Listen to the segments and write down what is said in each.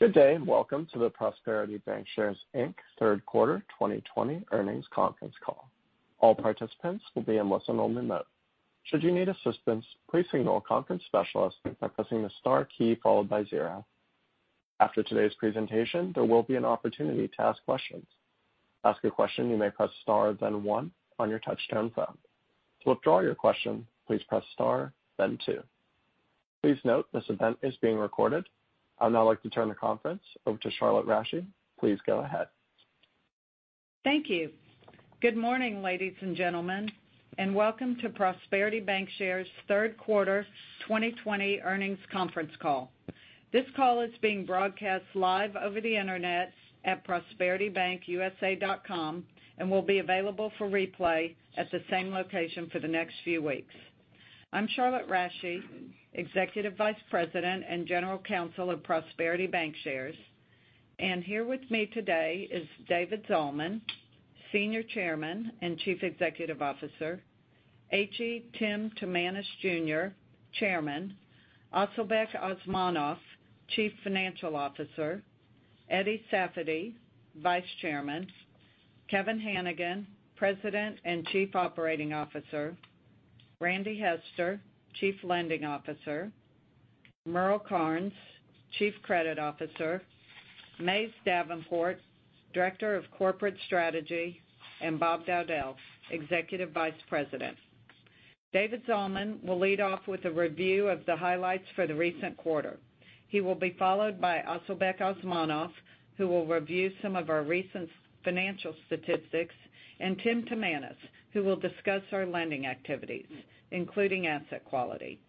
Good day and welcome to the Prosperity Bancshares Inc. third quarter 2020 earnings conference call. All participants will be in listen only mode. After today's presentation, there will be an opportunity to ask questions. Please note this event is being recorded. I'd now like to turn the conference over to Charlotte Rasche. Please go ahead. Thank you. Good morning, ladies and gentlemen, and welcome to Prosperity Bancshares' third quarter 2020 earnings conference call. This call is being broadcast live over the internet at prosperitybankusa.com, and will be available for replay at the same location for the next few weeks. I'm Charlotte Rasche, Executive Vice President and General Counsel of Prosperity Bancshares. Here with me today is David Zalman, Senior Chairman and Chief Executive Officer. H.E. Tim Timanus Jr., Chairman. Asylbek Osmonov, Chief Financial Officer. Eddie Safady, Vice Chairman. Kevin Hanigan, President and Chief Operating Officer. Randy Hester, Chief Lending Officer. Merle Karnes, Chief Credit Officer. Mays Davenport, Director of Corporate Strategy, and Bob Dowdell, Executive Vice President. David Zalman will lead off with a review of the highlights for the recent quarter. He will be followed by Asylbek Osmonov, who will review some of our recent financial statistics, and Tim Timanus, who will discuss our lending activities, including asset quality.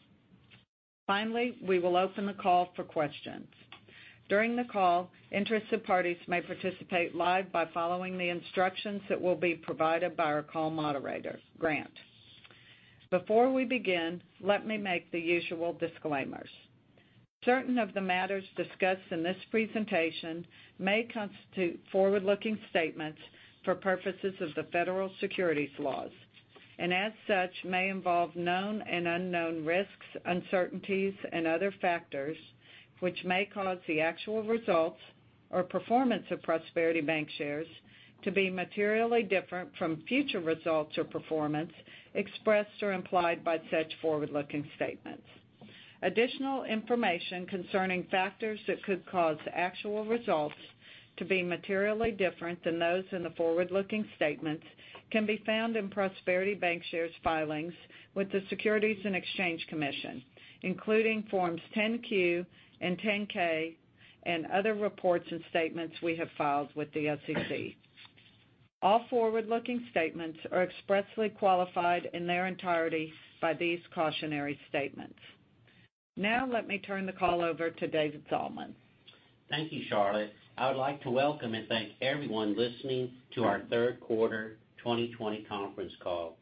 Finally, we will open the call for questions. During the call, interested parties may participate live by following the instructions that will be provided by our call moderator, Grant. Before we begin, let me make the usual disclaimers. Certain of the matters discussed in this presentation may constitute forward-looking statements for purposes of the federal securities laws, and as such, may involve known and unknown risks, uncertainties, and other factors which may cause the actual results or performance of Prosperity Bancshares to be materially different from future results or performance expressed or implied by such forward-looking statements. Additional information concerning factors that could cause actual results to be materially different than those in the forward-looking statements can be found in Prosperity Bancshares' filings with the Securities and Exchange Commission, including Forms 10-Q and 10-K, and other reports and statements we have filed with the SEC. All forward-looking statements are expressly qualified in their entirety by these cautionary statements. Now, let me turn the call over to David Zalman. Thank you, Charlotte. I would like to welcome and thank everyone listening to our third quarter 2020 conference call.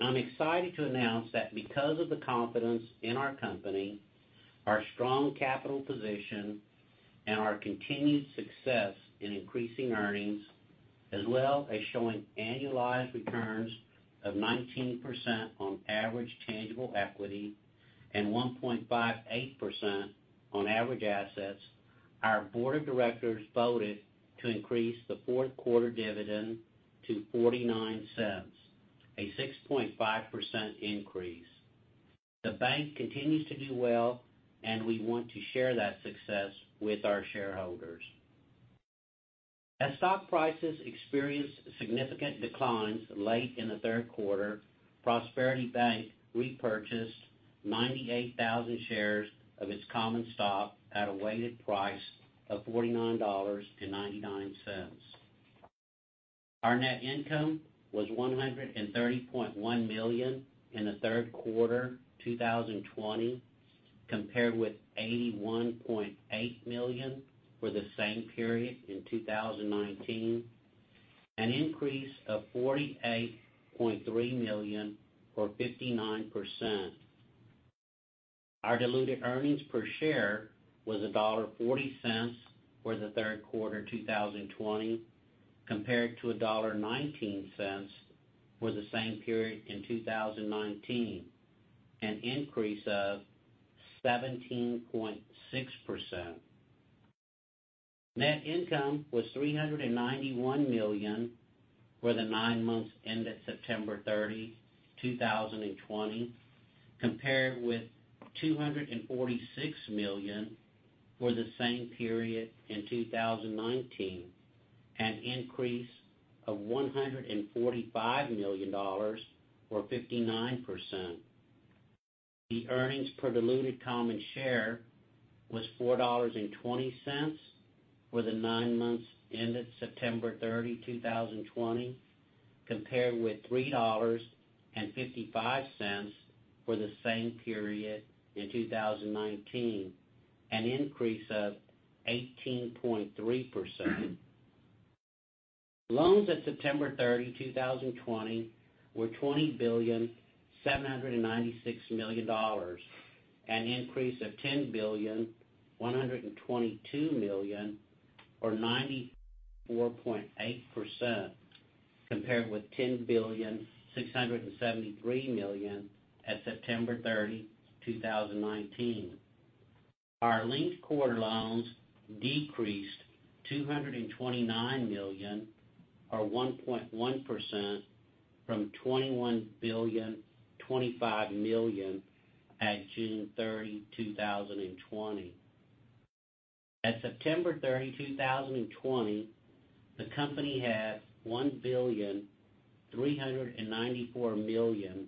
I'm excited to announce that because of the confidence in our company, our strong capital position, and our continued success in increasing earnings, as well as showing annualized returns of 19% on average tangible equity and 1.58% on average assets, our board of directors voted to increase the fourth quarter dividend to $0.49, a 6.5% increase. The bank continues to do well, and we want to share that success with our shareholders. As stock prices experienced significant declines late in the third quarter, Prosperity Bank repurchased 98,000 shares of its common stock at a weighted price of $49.99. Our net income was $130.1 million in the third quarter 2020, compared with $81.8 million for the same period in 2019, an increase of $48.3 million or 59%. Our diluted earnings per share was $1.40 for the third quarter 2020, compared to $1.19 for the same period in 2019, an increase of 17.6%. Net income was $391 million for the nine months ended September 30, 2020, compared with $246 million for the same period in 2019, an increase of $145 million or 59%. The earnings per diluted common share was $4.20 for the nine months ended September 30, 2020, compared with $3.55 for the same period in 2019, an increase of 18.3%. Loans at September 30, 2020, were $20.796 billion, an increase of $10.122 billion or 94.8%. Compared with $10.673 billion at September 30, 2019. Our linked quarter loans decreased $229 million or 1.1% from $21,025 million at June 30, 2020. At September 30, 2020, the company had $1.394 billion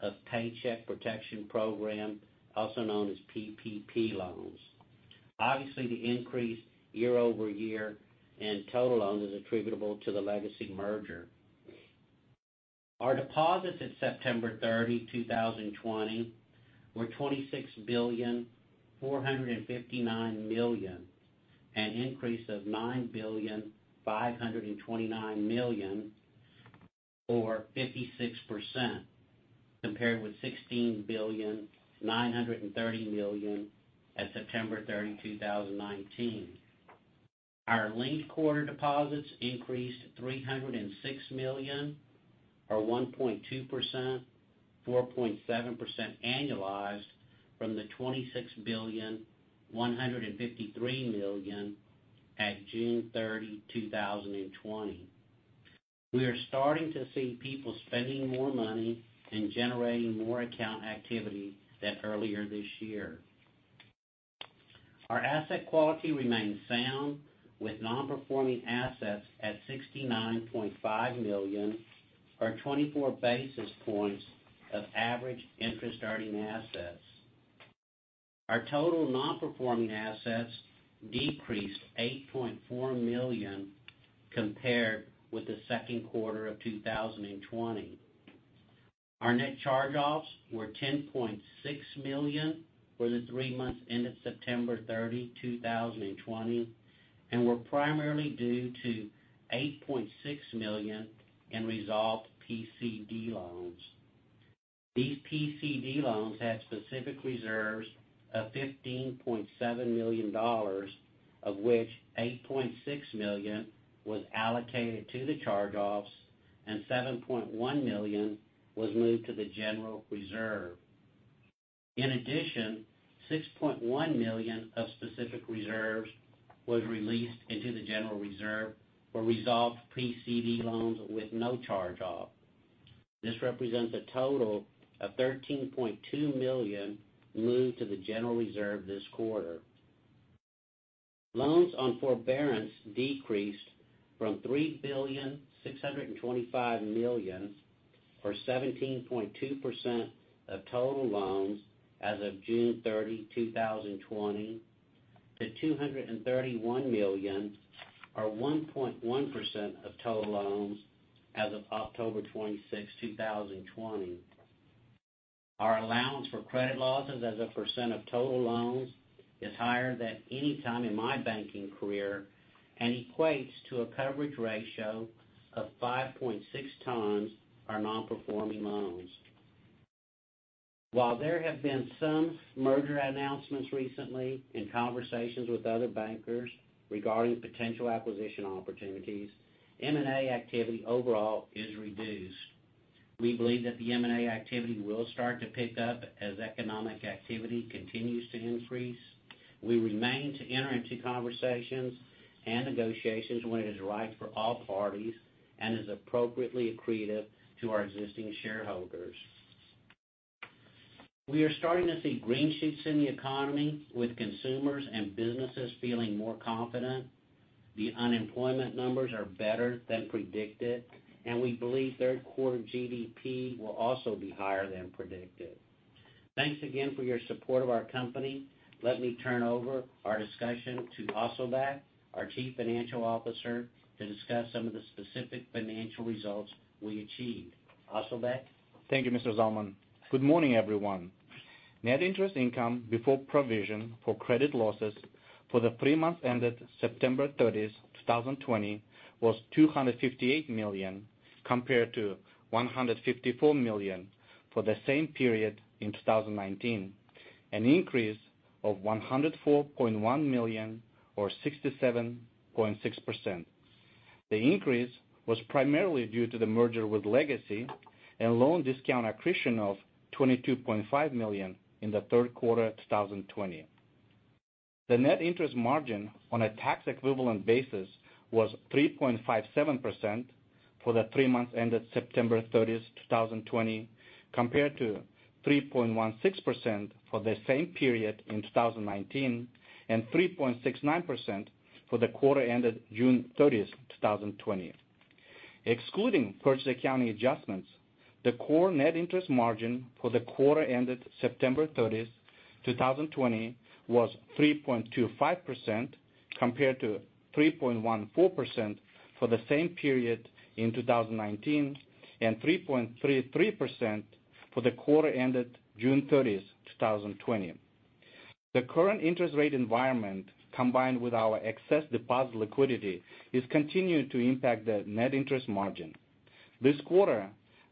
of Paycheck Protection Program, also known as PPP loans. Obviously, the increase year-over-year in total loans is attributable to the Legacy merger. Our deposits at September 30, 2020, were $26.459 billion, an increase of $9.529 billion or 56%, compared with $16.93 billion at September 30, 2019. Our linked quarter deposits increased to $306 million, or 1.2%, 4.7% annualized from the $26.153 billion at June 30, 2020. We are starting to see people spending more money and generating more account activity than earlier this year. Our asset quality remains sound, with non-performing assets at $69.5 million, or 24 basis points of average interest-earning assets. Our total non-performing assets decreased $8.4 million compared with the second quarter of 2020. Our net charge-offs were $10.6 million for the three months ended September 30, 2020, and were primarily due to $8.6 million in resolved PCD loans. These PCD loans had specific reserves of $15.7 million, of which $8.6 million was allocated to the charge-offs and $7.1 million was moved to the general reserve. In addition, $6.1 million of specific reserves was released into the general reserve for resolved PCD loans with no charge-off. This represents a total of $13.2 million moved to the general reserve this quarter. Loans on forbearance decreased from $3.625 billion, or 17.2% of total loans as of June 30, 2020, to $231 million, or 1.1% of total loans as of October 26, 2020. Our allowance for credit losses as a percent of total loans is higher than any time in my banking career and equates to a coverage ratio of 5.6x our non-performing loans. While there have been some merger announcements recently and conversations with other bankers regarding potential acquisition opportunities, M&A activity overall is reduced. We believe that the M&A activity will start to pick up as economic activity continues to increase. We remain to enter into conversations and negotiations when it is right for all parties and is appropriately accretive to our existing shareholders. We are starting to see green shoots in the economy, with consumers and businesses feeling more confident. The unemployment numbers are better than predicted, and we believe third quarter GDP will also be higher than predicted. Thanks again for your support of our company. Let me turn over our discussion to Asylbek, our Chief Financial Officer, to discuss some of the specific financial results we achieved. Asylbek? Thank you, Mr. Zalman. Good morning, everyone. Net interest income before provision for credit losses for the three months ended September 30, 2020, was $258 million compared to $154 million for the same period in 2019, an increase of $104.1 million or 67.6%. The increase was primarily due to the merger with Legacy and loan discount accretion of $22.5 million in the third quarter of 2020. The net interest margin on a tax-equivalent basis was 3.57% for the three months ended September 30, 2020, compared to 3.16% for the same period in 2019 and 3.69% for the quarter ended June 30, 2020. Excluding purchase accounting adjustments, the core net interest margin for the quarter ended September 30, 2020, was 3.25%, compared to 3.14% for the same period in 2019 and 3.33% for the quarter ended June 30, 2020. The current interest rate environment, combined with our excess deposit liquidity, is continuing to impact the net interest margin. This quarter,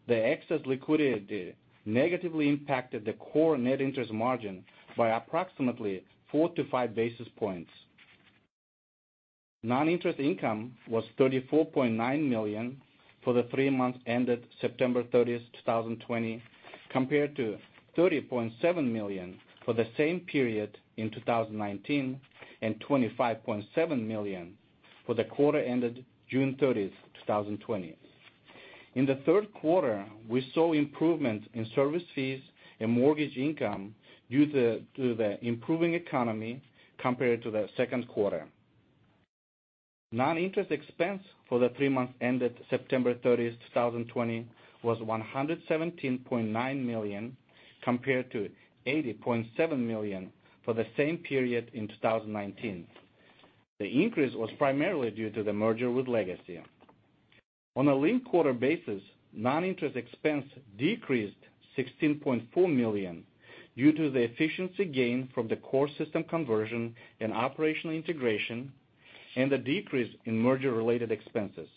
the excess liquidity negatively impacted the core net interest margin by approximately four to five basis points. Non-interest income was $34.9 million for the three months ended September 30th, 2020, compared to $30.7 million for the same period in 2019, and $25.7 million for the quarter ended June 30th, 2020. In the third quarter, we saw improvement in service fees and mortgage income due to the improving economy compared to the second quarter. Non-interest expense for the three months ended September 30th, 2020, was $117.9 million, compared to $80.7 million for the same period in 2019. The increase was primarily due to the merger with Legacy. On a linked quarter basis, non-interest expense decreased $16.4 million due to the efficiency gain from the core system conversion and operational integration, and the decrease in merger-related expenses.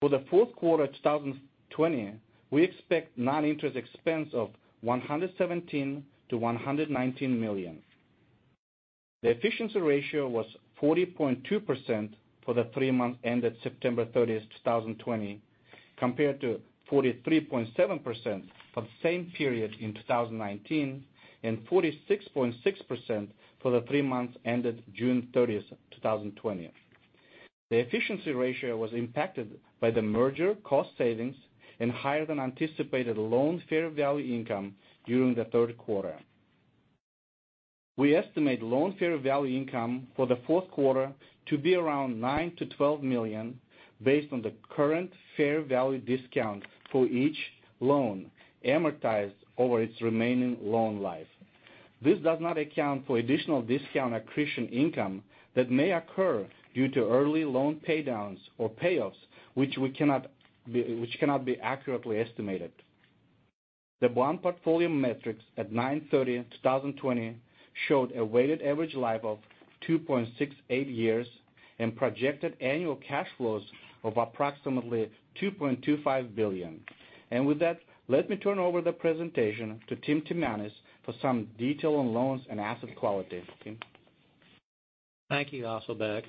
For the fourth quarter 2020, we expect non-interest expense of $117 million-$119 million. The efficiency ratio was 40.2% for the three months ended September 30th, 2020, compared to 43.7% for the same period in 2019, and 46.6% for the three months ended June 30th, 2020. The efficiency ratio was impacted by the merger cost savings and higher than anticipated loan fair value income during the third quarter. We estimate loan fair value income for the fourth quarter to be around $9 million-$12 million based on the current fair value discount for each loan amortized over its remaining loan life. This does not account for additional discount accretion income that may occur due to early loan paydowns or payoffs, which cannot be accurately estimated. The bond portfolio metrics at 9/30/2020 showed a weighted average life of 2.68 years and projected annual cash flows of approximately $2.25 billion. With that, let me turn over the presentation to Tim Timanus for some detail on loans and asset quality. Tim? Thank you, Asylbek.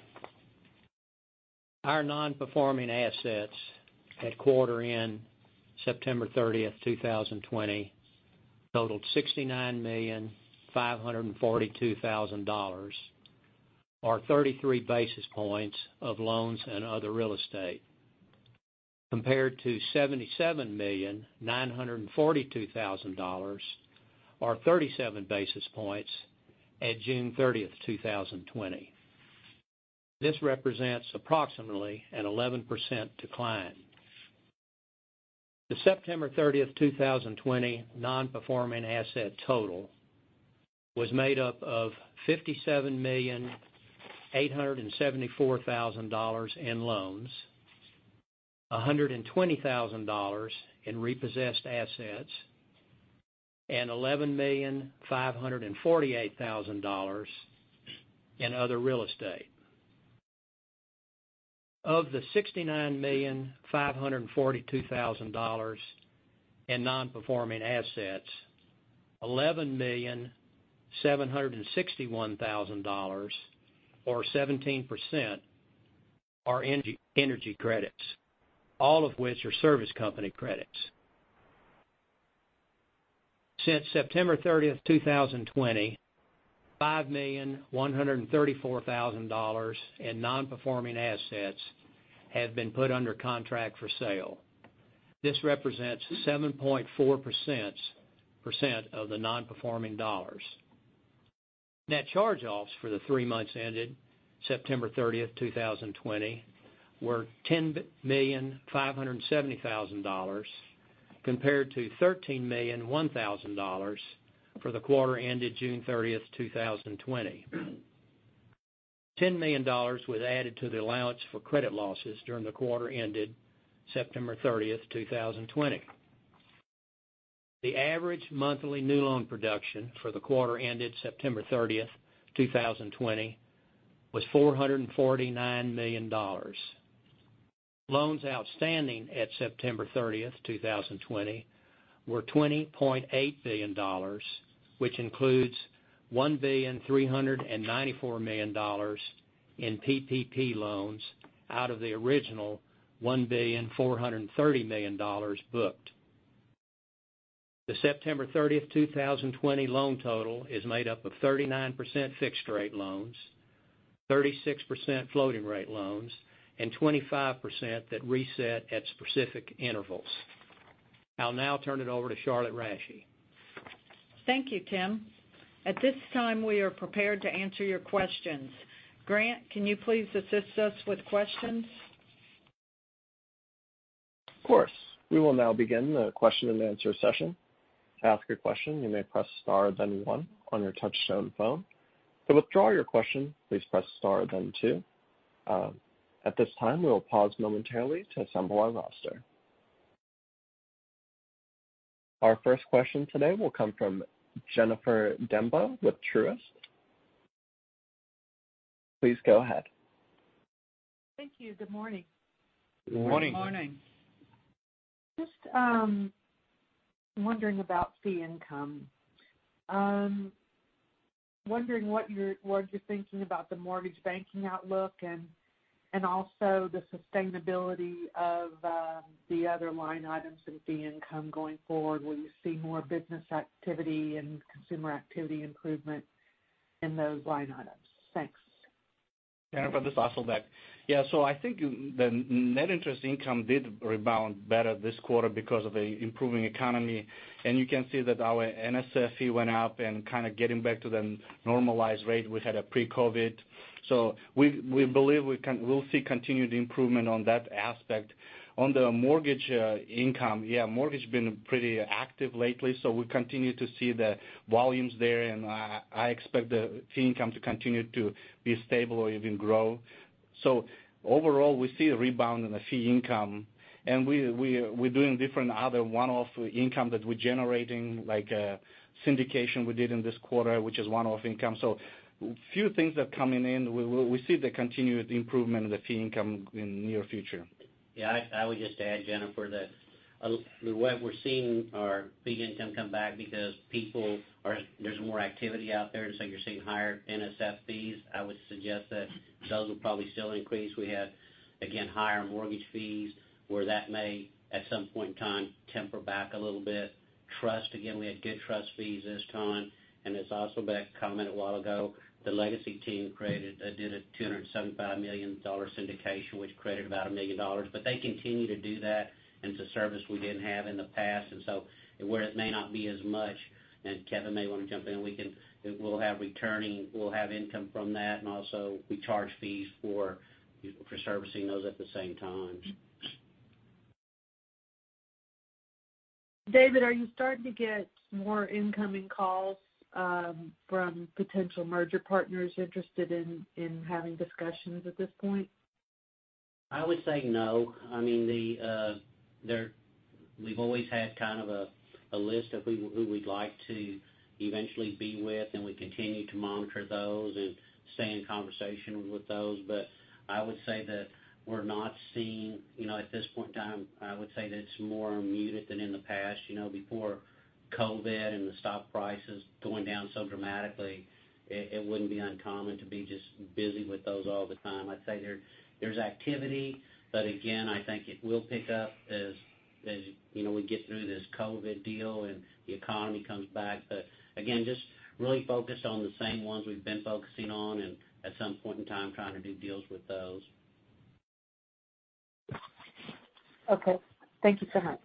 Our non-performing assets at quarter end September 30th, 2020, totaled $69.542 million, or 33 basis points of loans and other real estate, compared to $77.942 million, or 37 basis points at June 30th, 2020. This represents approximately an 11% decline. The September 30th, 2020, non-performing asset total was made up of $57.874 million in loans, $120,000 in repossessed assets, and $11.548 million in other real estate. Of the $69.542 million in non-performing assets, $11.761 million, or 17%, are energy credits, all of which are service company credits. Since September 30th, 2020, $5.134 million in non-performing assets have been put under contract for sale. This represents 7.4% of the non-performing dollars. Net charge-offs for the three months ended September 30th, 2020, were $10.57 million compared to $13.001 million for the quarter ended June 30th, 2020. $10 million was added to the allowance for credit losses during the quarter ended September 30th, 2020. The average monthly new loan production for the quarter ended September 30th, 2020, was $449 million. Loans outstanding at September 30th, 2020, were $20.8 billion, which includes $1.394 billion in PPP loans out of the original $1.43 billion booked. The September 30th, 2020, loan total is made up of 39% fixed rate loans, 36% floating rate loans, and 25% that reset at specific intervals. I'll now turn it over to Charlotte Rasche. Thank you, Tim. At this time, we are prepared to answer your questions. Grant, can you please assist us with questions? Of course. We will now begin the question and answer session. At this time, we will pause momentarily to assemble our roster. Our first question today will come from Jennifer Demba with Truist. Please go ahead. Thank you. Good morning. Good morning. Good morning. Just wondering about fee income. Wondering what you're thinking about the mortgage banking outlook and also the sustainability of the other line items in fee income going forward. Will you see more business activity and consumer activity improvement in those line items? Thanks. Jennifer, this is Asylbek. I think the net interest income did rebound better this quarter because of the improving economy, and you can see that our NSF fee went up and kind of getting back to the normalized rate we had at pre-COVID. We believe we'll see continued improvement on that aspect. On the mortgage income, mortgage has been pretty active lately, so we continue to see the volumes there, and I expect the fee income to continue to be stable or even grow. Overall, we see a rebound in the fee income, and we're doing different other one-off income that we're generating, like a syndication we did in this quarter, which is one-off income. A few things are coming in. We see the continued improvement of the fee income in near future. I would just add, Jennifer, that the way we're seeing our fee income come back because there's more activity out there, just like you're seeing higher NSF fees. I would suggest that those will probably still increase. We had, again, higher mortgage fees, where that may, at some point in time, temper back a little bit. Trust, again, we had good trust fees this time, and as Asylbek commented a while ago, the Legacy team did a $275 million syndication, which created about $1 million. They continue to do that, and it's a service we didn't have in the past. Where it may not be as much, and Kevin may want to jump in, we'll have income from that. Also, we charge fees for servicing those at the same time. David, are you starting to get more incoming calls from potential merger partners interested in having discussions at this point? I would say no. We've always had kind of a list of who we'd like to eventually be with, and we continue to monitor those and stay in conversation with those. I would say that we're not seeing, at this point in time, I would say that it's more muted than in the past. Before COVID and the stock prices going down so dramatically, it wouldn't be uncommon to be just busy with those all the time. I'd say there's activity, but again, I think it will pick up as we get through this COVID deal and the economy comes back. Again, just really focused on the same ones we've been focusing on, and at some point in time, trying to do deals with those. Okay. Thank you so much.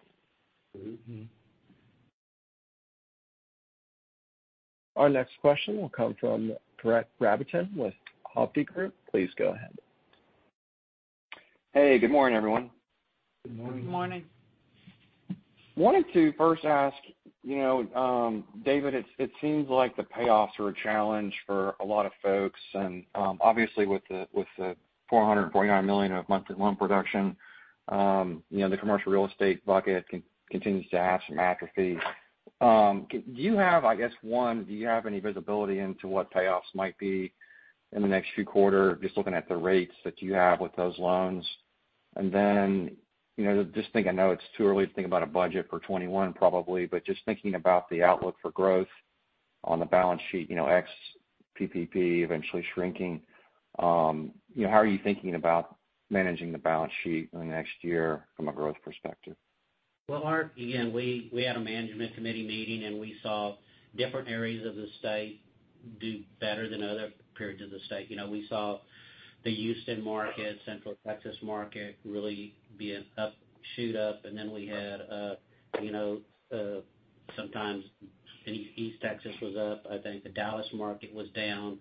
Our next question will come from Brett Rabatin with Hovde Group. Please go ahead. Hey, good morning, everyone. Good morning. Good morning. Wanted to first ask, David, it seems like the payoffs are a challenge for a lot of folks, obviously with the $449 million of monthly loan production, the commercial real estate bucket continues to have some atrophy. Do you have, I guess, one, do you have any visibility into what payoffs might be in the next few quarter, just looking at the rates that you have with those loans? Just thinking, I know it's too early to think about a budget for 2021, probably, just thinking about the outlook for growth on the balance sheet, ex PPP eventually shrinking, how are you thinking about managing the balance sheet in the next year from a growth perspective? Well, again, we had a management committee meeting, and we saw different areas of the state do better than other periods of the state. We saw the Houston market, Central Texas market really shoot up, and then we had sometimes East Texas was up. I think the Dallas market was down,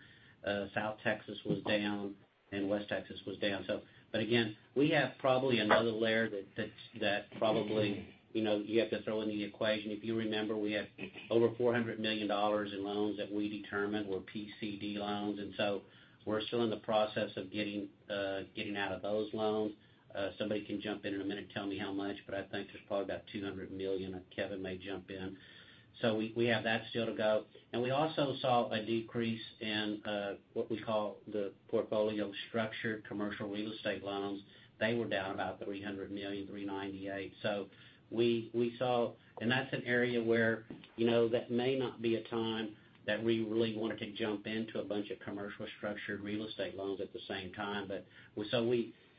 South Texas was down, and West Texas was down. Again, we have probably another layer that probably you have to throw in the equation. If you remember, we have over $400 million in loans that we determined were PCD loans, and so we're still in the process of getting out of those loans. Somebody can jump in in a minute and tell me how much, but I think there's probably about $200 million, or Kevin may jump in. We have that still to go. We also saw a decrease in what we call the portfolio structured commercial real estate loans. They were down about $300 million, $398 million. That's an area where that may not be a time that we really wanted to jump into a bunch of commercial structured real estate loans at the same time.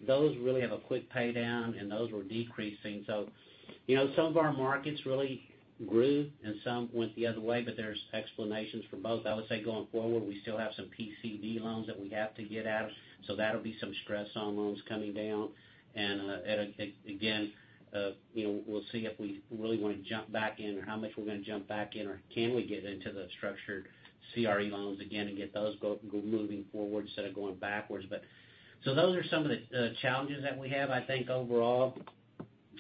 Those really have a quick pay-down, and those were decreasing. Some of our markets really grew, and some went the other way, but there's explanations for both. I would say going forward, we still have some PCD loans that we have to get out, so that'll be some stress on loans coming down. Again, we'll see if we really want to jump back in or how much we're going to jump back in, or can we get into the structured CRE loans again and get those go moving forward instead of going backwards. Those are some of the challenges that we have. I think overall,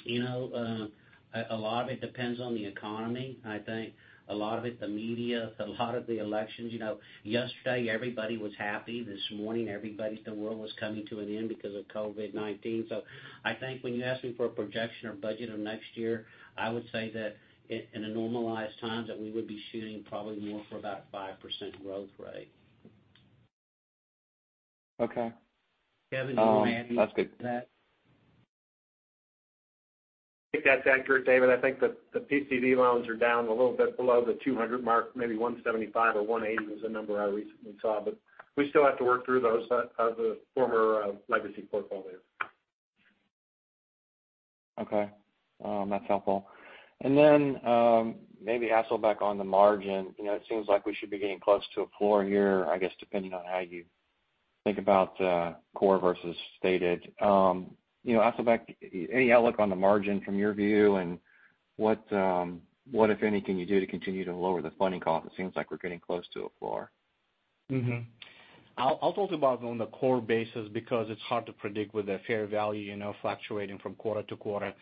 a lot of it depends on the economy, I think. A lot of it, the media, a lot of the elections. Yesterday, everybody was happy. This morning, the world was coming to an end because of COVID-19. I think when you ask me for a projection or budget of next year, I would say that in a normalized time, that we would be shooting probably more for about 5% growth rate. Okay. Kevin, do you want to add anything to that? I think that's accurate, David. I think the PCD loans are down a little bit below the 200 mark, maybe 175 or 180 was the number I recently saw. We still have to work through those of the former Legacy portfolio. Okay. That's helpful. Maybe Asylbek back on the margin. It seems like we should be getting close to a floor here, I guess, depending on how you think about core versus stated. Asylbek, any outlook on the margin from your view, and what if anything you do to continue to lower the funding cost? It seems like we're getting close to a floor. Mm-hmm. I'll talk about on the core basis because it's hard to predict with the fair value fluctuating from quarter to quarter.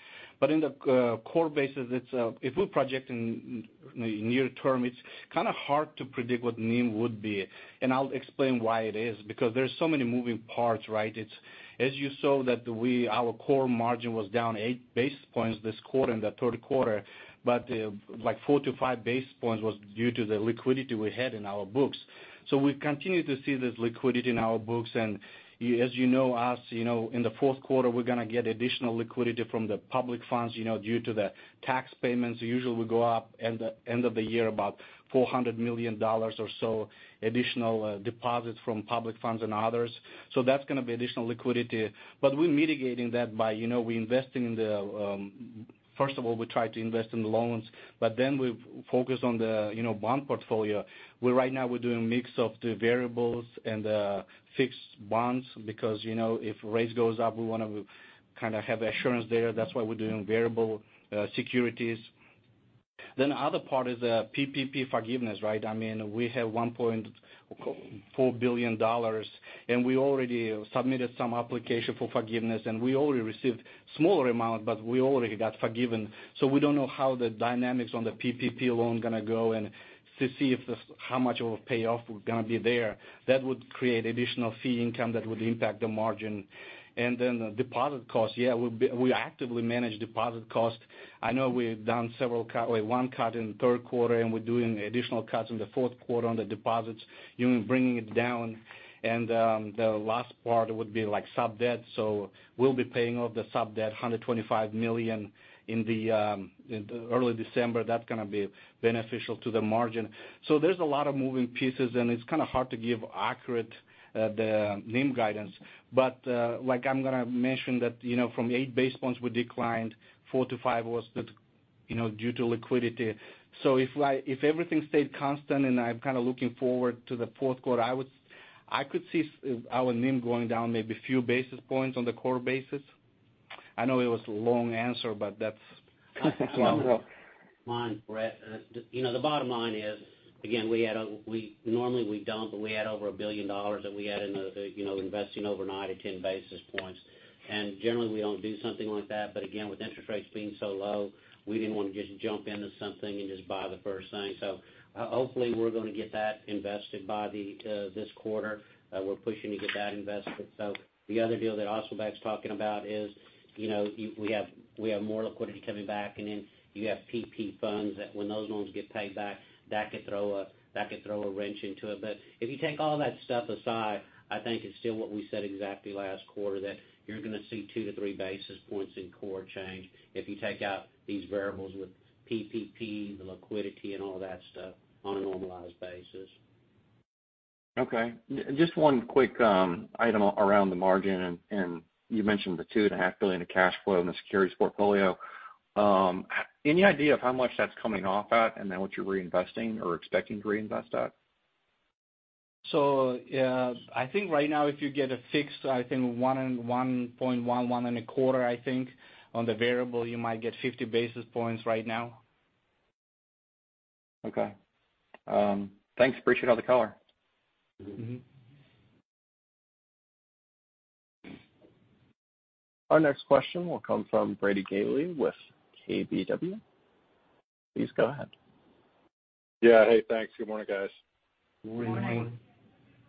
In the core basis, if we're projecting near term, it's kind of hard to predict what NIM would be, and I'll explain why it is, because there's so many moving parts, right? As you saw that our core margin was down 8 basis points this quarter in the third quarter, like 4 to 5 basis points was due to the liquidity we had in our books. We've continued to see this liquidity in our books, and as you know us, in the fourth quarter, we're going to get additional liquidity from the public funds, due to the tax payments. Usually we go up end of the year about $400 million or so, additional deposits from public funds and others. That's going to be additional liquidity. We're mitigating that by investing in the first of all, we try to invest in the loans, but then we focus on the bond portfolio, where right now we're doing mix of the variables and the fixed bonds because, if rates goes up, we want to kind of have assurance there. That's why we're doing variable securities. The other part is the PPP forgiveness, right? We have $1.4 billion, and we already submitted some application for forgiveness, and we already received smaller amount, but we already got forgiven. We don't know how the dynamics on the PPP loan going to go, and to see how much of a payoff going to be there. That would create additional fee income that would impact the margin. The deposit cost. Yeah, we actively manage deposit cost. I know we've done one cut in the third quarter, we're doing additional cuts in the fourth quarter on the deposits, bringing it down. The last part would be like sub-debt. We'll be paying off the sub-debt, $125 million in early December. That's going to be beneficial to the margin. There's a lot of moving pieces, and it's kind of hard to give accurate NIM guidance. Like I'm going to mention that, from eight basis points we declined, four to five was due to liquidity. If everything stayed constant and I'm kind of looking forward to the fourth quarter, I could see our NIM going down maybe few basis points on the core basis. I know it was a long answer, that's. That's long. Mine, Brett. The bottom line is, again, normally we don't, but we had over $1 billion that we had in the investing overnight at 10 basis points. Generally, we don't do something like that. Again, with interest rates being so low, we didn't want to just jump into something and just buy the first thing. Hopefully we're going to get that invested by this quarter. We're pushing to get that invested. The other deal that Asylbek's talking about is, we have more liquidity coming back in, and you have PPP funds that when those loans get paid back, that could throw a wrench into it. If you take all that stuff aside, I think it's still what we said exactly last quarter, that you're going to see two to three basis points in core change if you take out these variables with PPP, the liquidity and all that stuff on a normalized basis. Okay. Just one quick item around the margin, and you mentioned the $2.5 billion of cash flow in the securities portfolio. Any idea of how much that's coming off at, and then what you're reinvesting or expecting to reinvest at? I think right now if you get a fixed, I think 1.1%, 1.25%, I think on the variable, you might get 50 basis points right now. Okay. Thanks. Appreciate all the color. Our next question will come from Brady Gailey with KBW. Please go ahead. Yeah. Hey, thanks. Good morning, guys. Good morning.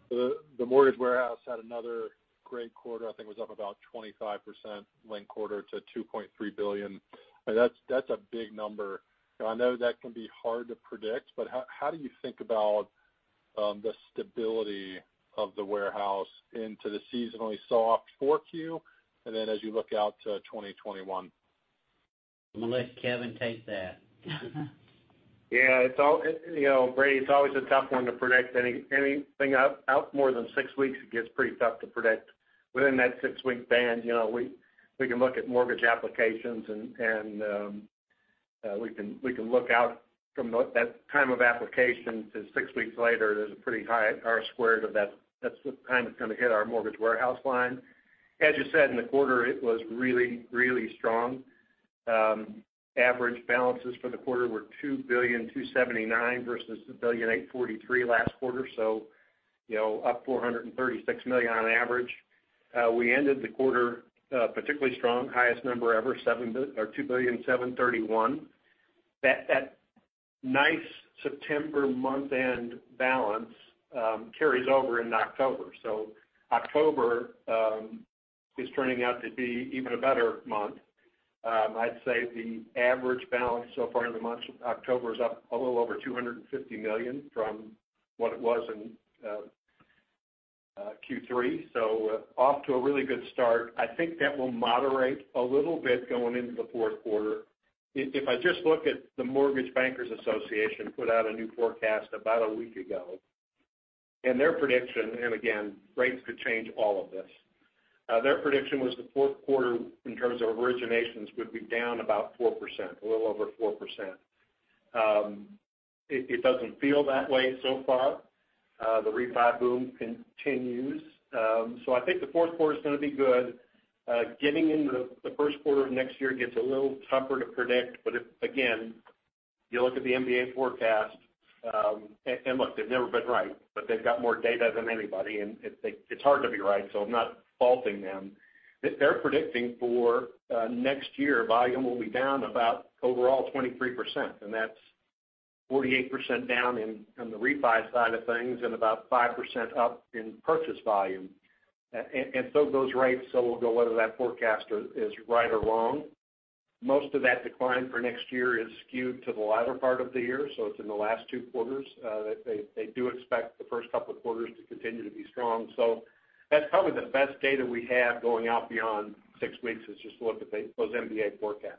Good morning. The mortgage warehouse had another great quarter, I think it was up about 25% linked quarter to $2.3 billion. That's a big number. I know that can be hard to predict, but how do you think about the stability of the warehouse into the seasonally soft 4Q, and then as you look out to 2021? I'm going to let Kevin take that. Yeah. Brady, it's always a tough one to predict anything out more than six weeks, it gets pretty tough to predict. Within that six-week band, we can look at mortgage applications and we can look out from that time of application to six weeks later, there's a pretty high R squared of that. That's the time it's going to hit our mortgage warehouse line. As you said, in the quarter, it was really, really strong. Average balances for the quarter were $2.279 billion versus $1.843 billion last quarter, up $436 million on average. We ended the quarter particularly strong, highest number ever, $2.731 billion. That nice September month-end balance carries over in October. October is turning out to be even a better month. I'd say the average balance so far in the month of October is up a little over $250 million from what it was in Q3. Off to a really good start. I think that will moderate a little bit going into the fourth quarter. If I just look at the Mortgage Bankers Association, put out a new forecast about a week ago, and their prediction, and again, rates could change all of this. Their prediction was the fourth quarter in terms of originations would be down about 4%, a little over 4%. It doesn't feel that way so far. The refi boom continues. I think the fourth quarter's going to be good. Getting into the first quarter of next year gets a little tougher to predict, but if, again, you look at the MBA forecast, and look, they've never been right, but they've got more data than anybody, and it's hard to be right, so I'm not faulting them. They're predicting for next year, volume will be down about overall 23%, and that's 48% down in the refi side of things and about 5% up in purchase volume. Go those rates, so we'll go whether that forecast is right or wrong. Most of that decline for next year is skewed to the latter part of the year, so it's in the last two quarters. They do expect the first couple of quarters to continue to be strong. That's probably the best data we have going out beyond six weeks is just to look at those MBA forecasts.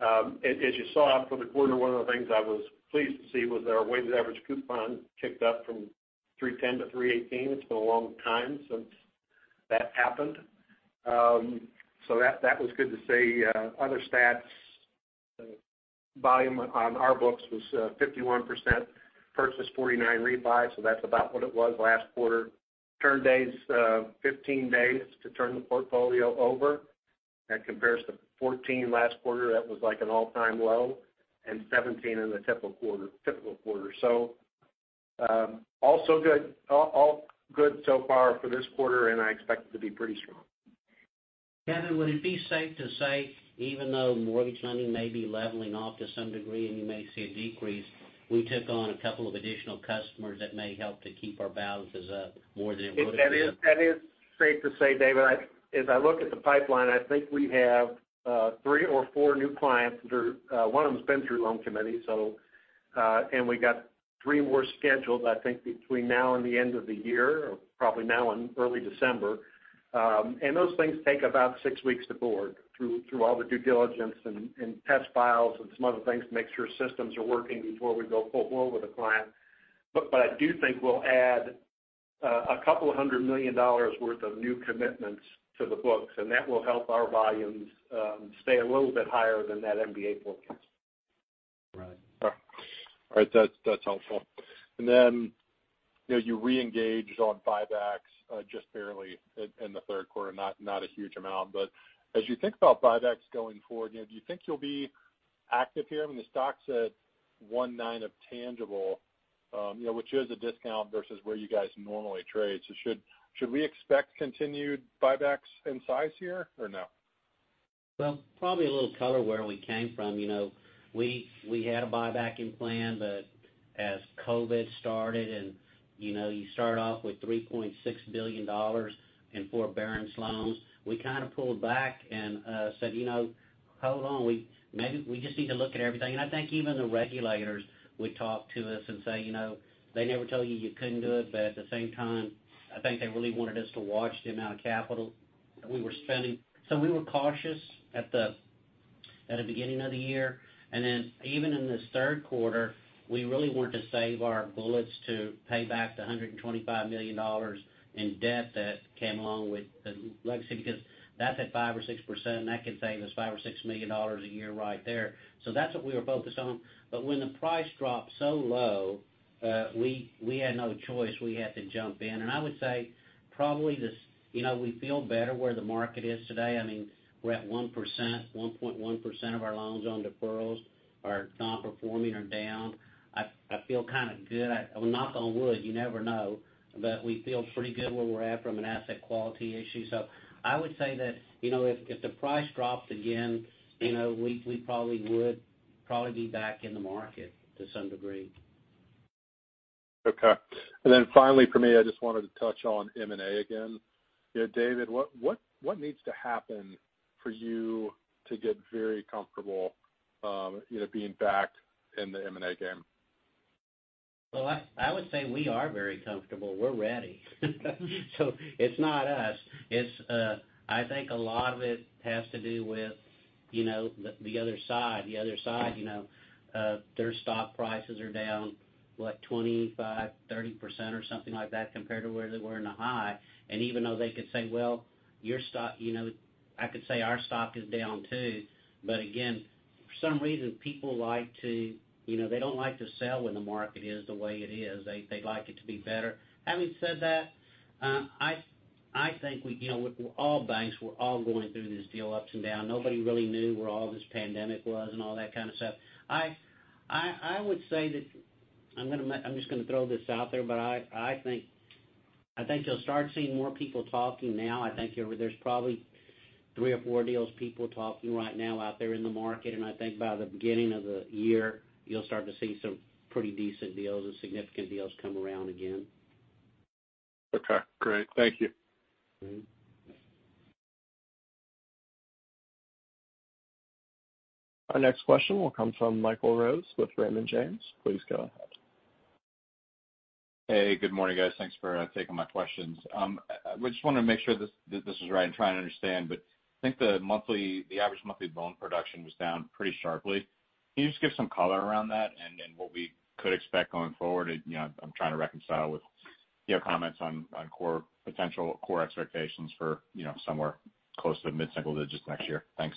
As you saw for the quarter, one of the things I was pleased to see was our weighted average coupon ticked up from 310 to 318. It's been a long time since that happened. That was good to see. Other stats, volume on our books was 51%, purchase 49% refi, that's about what it was last quarter. Turn days, 15 days to turn the portfolio over. That compares to 14 last quarter. That was like an all-time low, 17 in the typical quarter. All good so far for this quarter, I expect it to be pretty strong. Kevin, would it be safe to say, even though mortgage lending may be leveling off to some degree and you may see a decrease, we took on a couple of additional customers that may help to keep our balances up more than it would have been? That is safe to say, David. As I look at the pipeline, I think we have three or four new clients. One of them's been through loan committee. We got three more scheduled, I think, between now and the end of the year, or probably now and early December. Those things take about six weeks to board through all the due diligence and test files and some other things to make sure systems are working before we go full blow with a client. I do think we'll add a couple of $100 million worth of new commitments to the books, and that will help our volumes stay a little bit higher than that MBA forecast. Right. All right. That's helpful. Then you reengaged on buybacks just barely in the third quarter, not a huge amount. As you think about buybacks going forward, do you think you'll be active here? The stock's at 1.9 of tangible, which is a discount versus where you guys normally trade. Should we expect continued buybacks in size here or no? Probably a little color where we came from. We had a buyback in plan, as COVID started and you start off with $3.6 billion in forbearance loans, we kind of pulled back and said, "Hold on, maybe we just need to look at everything." I think even the regulators would talk to us and say, they never told you you couldn't do it, but at the same time, I think they really wanted us to watch the amount of capital that we were spending. We were cautious at the beginning of the year. Even in this third quarter, we really wanted to save our bullets to pay back the $125 million in debt that came along with the Legacy because that's at 5% or 6%, and that can save us $5 million or $6 million a year right there. That's what we were focused on. When the price dropped so low, we had no choice. We had to jump in. I would say probably we feel better where the market is today. We're at 1%, 1.1% of our loans on deferrals are non-performing or down. I feel kind of good. Knock on wood, you never know, but we feel pretty good where we're at from an asset quality issue. I would say that if the price drops again, we probably would be back in the market to some degree. Okay. Finally for me, I just wanted to touch on M&A again. David, what needs to happen for you to get very comfortable being back in the M&A game? I would say we are very comfortable. We're ready. It's not us. I think a lot of it has to do with the other side. The other side their stock prices are down, what? 25%, 30% or something like that compared to where they were in the high. Even though they could say, well, I could say our stock is down too, but again, for some reason, people don't like to sell when the market is the way it is. They like it to be better. Having said that, I think all banks, we're all going through this deal ups and down. Nobody really knew where all this pandemic was and all that kind of stuff. I'm just going to throw this out there, but I think you'll start seeing more people talking now. I think there's probably three or four deals people talking right now out there in the market. I think by the beginning of the year, you'll start to see some pretty decent deals and significant deals come around again. Okay, great. Thank you. All right. Our next question will come from Michael Rose with Raymond James. Please go ahead. Hey, good morning, guys. Thanks for taking my questions. I just want to make sure this is right. I'm trying to understand, I think the average monthly loan production was down pretty sharply. Can you just give some color around that and what we could expect going forward? I'm trying to reconcile with your comments on potential core expectations for somewhere close to mid-single digits next year. Thanks.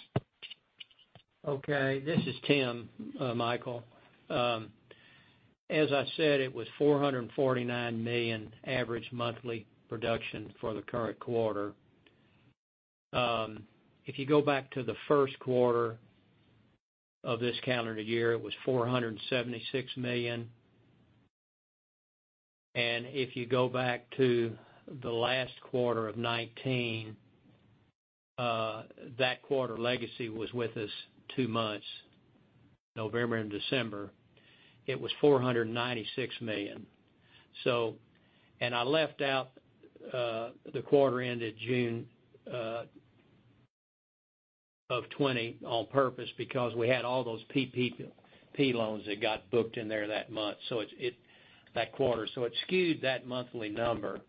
Okay, this is Tim, Michael. As I said, it was $449 million average monthly production for the current quarter. If you go back to the first quarter of this calendar year, it was $476 million. If you go back to the last quarter of 2019, that quarter Legacy was with us two months, November and December, it was $496 million. I left out the quarter ended June of 2020 on purpose because we had all those PPP loans that got booked in there that month, that quarter. It skewed that monthly number.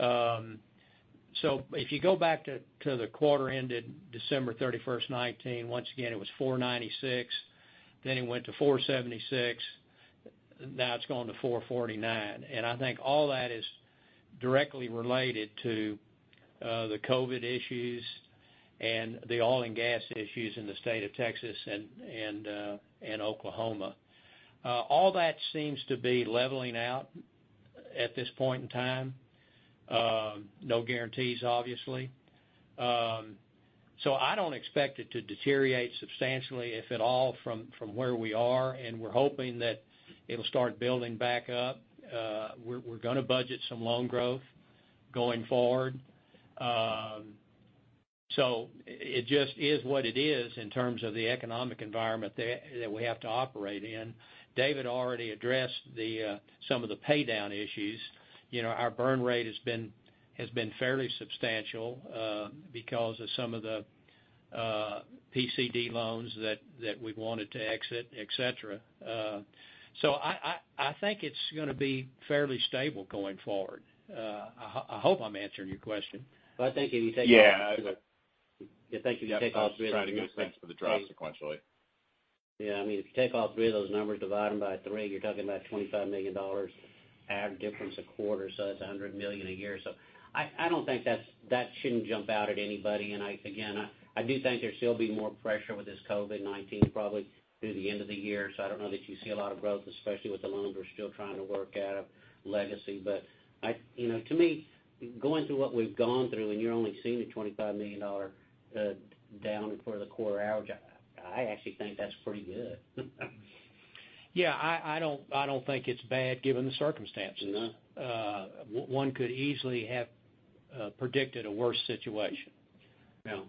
If you go back to the quarter ended December 31st, 2019, once again, it was $496 million. It went to $476 million. Now it's gone to $449 million. I think all that is directly related to the COVID issues and the oil and gas issues in the state of Texas and Oklahoma. All that seems to be leveling out at this point in time. No guarantees, obviously. I don't expect it to deteriorate substantially, if at all, from where we are, and we're hoping that it'll start building back up. We're going to budget some loan growth going forward. It just is what it is in terms of the economic environment that we have to operate in. David already addressed some of the pay down issues. Our burn rate has been fairly substantial because of some of the PCD loans that we wanted to exit, et cetera. I think it's going to be fairly stable going forward. I hope I'm answering your question. Well, I think if you take. Yeah. I think if you take all three of those. I was trying to get a sense for the drop sequentially. Yeah, if you take all three of those numbers, divide them by three, you're talking about $25 million average difference a quarter, so that's $100 million a year. I don't think that shouldn't jump out at anybody. Again, I do think there'll still be more pressure with this COVID-19 probably through the end of the year. I don't know that you see a lot of growth, especially with the loans we're still trying to work out of Legacy. To me, going through what we've gone through, and you're only seeing a $25 million down for the quarter average. I actually think that's pretty good. Yeah, I don't think it's bad given the circumstances. No. One could easily have predicted a worse situation. No.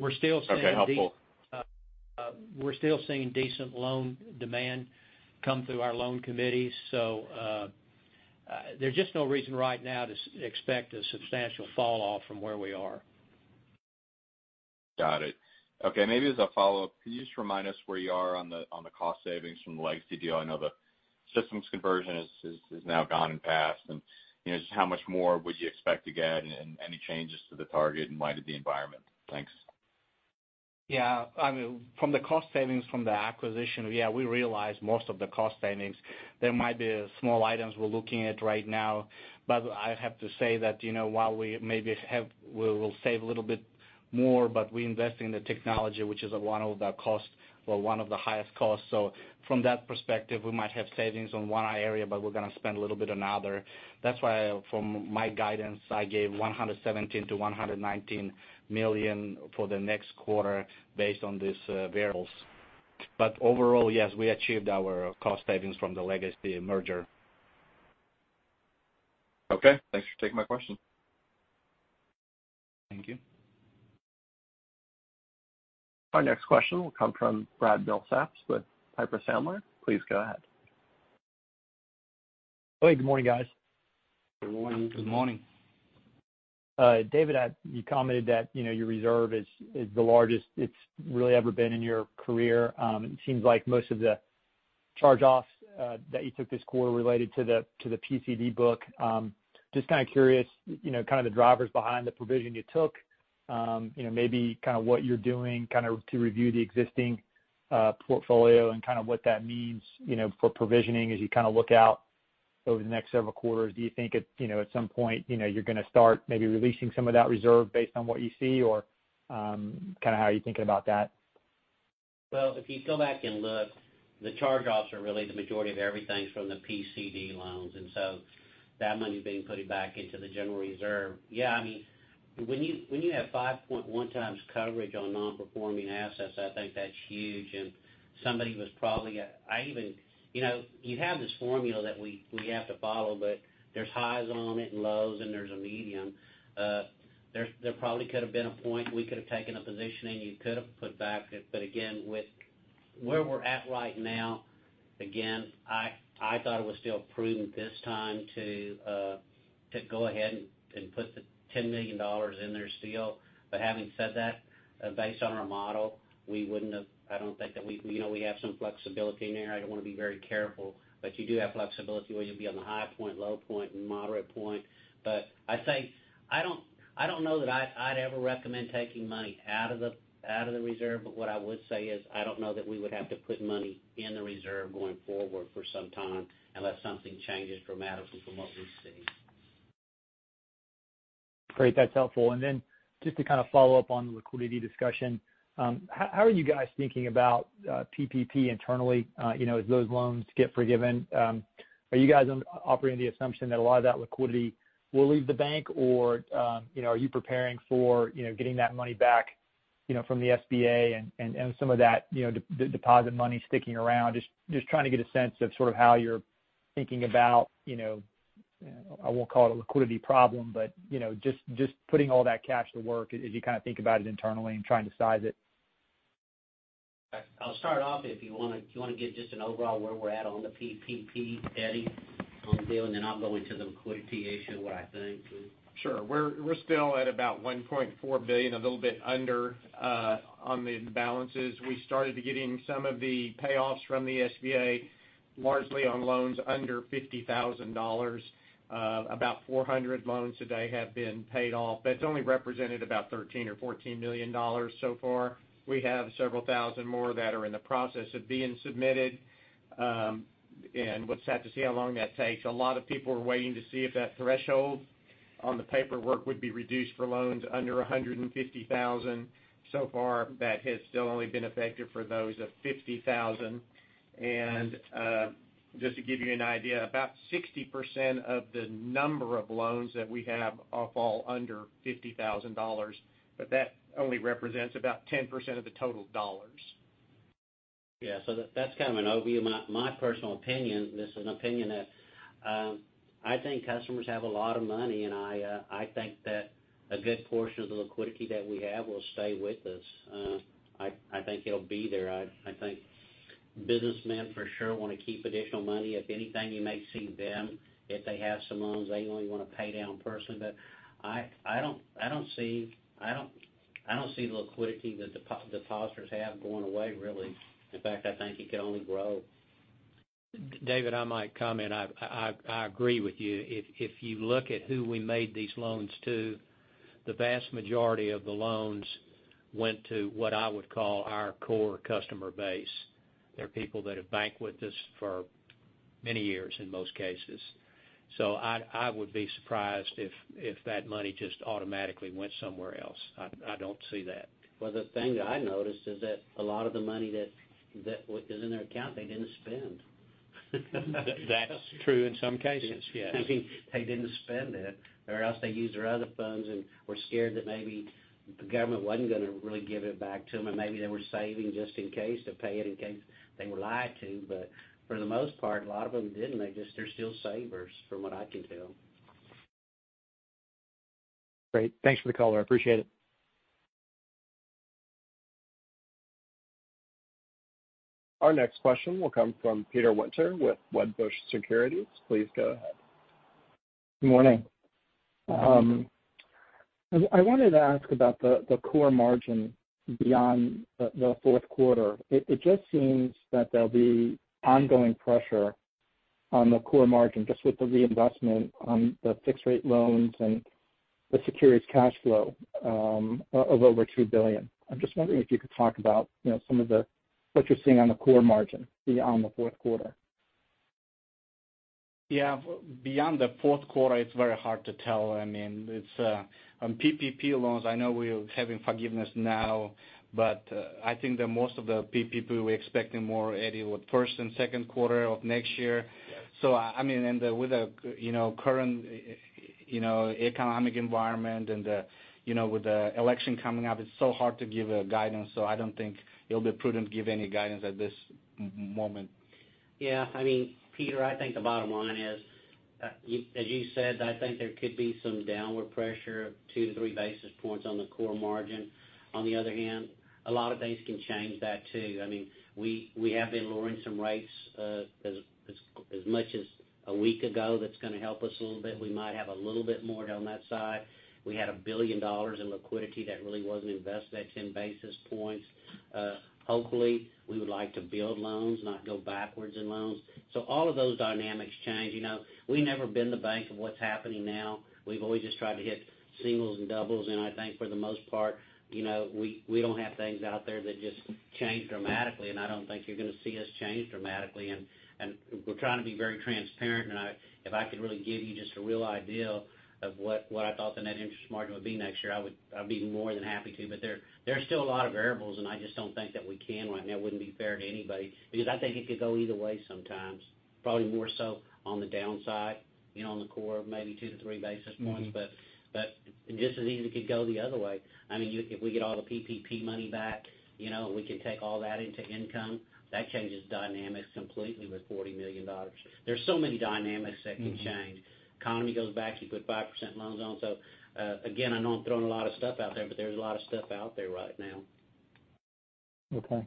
Okay, helpful. We're still seeing decent loan demand come through our loan committees, so there's just no reason right now to expect a substantial fall off from where we are. Got it. Okay, maybe as a follow-up, could you just remind us where you are on the cost savings from the Legacy deal? I know the systems conversion has now gone and passed, just how much more would you expect to get and any changes to the target in light of the environment? Thanks. Yeah. From the cost savings from the acquisition, yeah, we realized most of the cost savings. There might be small items we're looking at right now, but I have to say that while we maybe will save a little bit more, but we invest in the technology, which is one of the highest costs. From that perspective, we might have savings on one area, but we're going to spend a little bit on other. That's why from my guidance, I gave $117 million-$119 million for the next quarter based on these variables. Overall, yes, we achieved our cost savings from the Legacy merger. Okay, thanks for taking my question. Thank you. Our next question will come from Brad Milsaps with Piper Sandler. Please go ahead. Hey, good morning, guys. Good morning. Good morning. David, you commented that your reserve is the largest it's really ever been in your career. It seems like most of the charge-offs that you took this quarter related to the PCD book. Just kind of curious, kind of the drivers behind the provision you took, maybe kind of what you're doing to review the existing portfolio and kind of what that means for provisioning as you kind of look out over the next several quarters. Do you think at some point you're going to start maybe releasing some of that reserve based on what you see or kind of how are you thinking about that? If you go back and look, the charge-offs are really the majority of everything from the PCD loans, and so that money is being put back into the general reserve. When you have 5.1x coverage on non-performing assets, I think that's huge. You have this formula that we have to follow, but there's highs on it and lows, and there's a medium. There probably could have been a point we could have taken a position, and you could have put back, but again, with where we're at right now, again, I thought it was still prudent this time to go ahead and put the $10 million in there still. Having said that, based on our model, we have some flexibility in there. I want to be very careful, you do have flexibility where you'll be on the high point, low point, and moderate point. I'd say, I don't know that I'd ever recommend taking money out of the reserve, but what I would say is, I don't know that we would have to put money in the reserve going forward for some time unless something changes dramatically from what we see. Great. That's helpful. Then just to follow up on the liquidity discussion, how are you guys thinking about PPP internally? As those loans get forgiven, are you guys operating the assumption that a lot of that liquidity will leave the bank, or are you preparing for getting that money back from the SBA and some of that deposit money sticking around? Just trying to get a sense of how you're thinking about, I won't call it a liquidity problem, but just putting all that cash to work as you think about it internally and trying to size it. I'll start off, if you want to get just an overall where we're at on the PPP, Eddie, on the deal, then I'll go into the liquidity issue, what I think. Sure. We're still at about $1.4 billion, a little bit under on the balances. We started getting some of the payoffs from the SBA, largely on loans under $50,000. About 400 loans today have been paid off. That's only represented about $13 million or $14 million so far. We have several thousand more that are in the process of being submitted, and we'll have to see how long that takes. A lot of people were waiting to see if that threshold on the paperwork would be reduced for loans under $150,000. Far, that has still only been effective for those of $50,000. Just to give you an idea, about 60% of the number of loans that we have fall under $50,000, but that only represents about 10% of the total dollars. Yeah. That's kind of an overview. My personal opinion, this is an opinion, I think customers have a lot of money. I think that a good portion of the liquidity that we have will stay with us. I think it'll be there. I think businessmen for sure want to keep additional money. If anything, you may see them, if they have some loans, they only want to pay down personally. I don't see liquidity that depositors have going away, really. In fact, I think it could only grow. David, I might comment. I agree with you. If you look at who we made these loans to, the vast majority of the loans went to what I would call our core customer base. They're people that have banked with us for many years in most cases. I would be surprised if that money just automatically went somewhere else. I don't see that. Well, the thing I noticed is that a lot of the money that is in their account, they didn't spend. That's true in some cases, yes. They didn't spend it, or else they used their other funds and were scared that maybe the government wasn't going to really give it back to them, and maybe they were saving just in case to pay it in case they were liable to. For the most part, a lot of them didn't. They're still savers from what I can tell. Great. Thanks for the color. I appreciate it. Our next question will come from Peter Winter with Wedbush Securities. Please go ahead. Good morning. I wanted to ask about the core margin beyond the fourth quarter. It just seems that there'll be ongoing pressure on the core margin just with the reinvestment on the fixed rate loans and the securities cash flow of over $2 billion. I'm just wondering if you could talk about what you're seeing on the core margin beyond the fourth quarter. Yeah. Beyond the fourth quarter, it's very hard to tell. On PPP loans, I know we're having forgiveness now, but I think that most of the PPP, we're expecting more, Eddie, with first and second quarter of next year. Yes. With the current economic environment and with the election coming up, it's so hard to give a guidance. I don't think it'll be prudent to give any guidance at this moment. Peter, I think the bottom line is, as you said, I think there could be some downward pressure, two to three basis points on the core margin. On the other hand, a lot of things can change that, too. We have been lowering some rates as much as a week ago. That's going to help us a little bit. We might have a little bit more down that side. We had $1 billion in liquidity that really wasn't invested, that 10 basis points. Hopefully, we would like to build loans, not go backwards in loans. All of those dynamics change. We've never been the bank of what's happening now. We've always just tried to hit singles and doubles, and I think for the most part, we don't have things out there that just change dramatically, and I don't think you're going to see us change dramatically. We're trying to be very transparent, and if I could really give you just a real idea of what I thought the net interest margin would be next year, I would be more than happy to. There are still a lot of variables, and I just don't think that we can right now. It wouldn't be fair to anybody because I think it could go either way sometimes, probably more so on the downside, on the core, maybe 2-3 basis points. Just as easily could go the other way. If we get all the PPP money back, we can take all that into income. That changes dynamics completely with $40 million. There's so many dynamics that can change. Economy goes back, you put 5% loans on. Again, I know I'm throwing a lot of stuff out there, but there's a lot of stuff out there right now. Okay.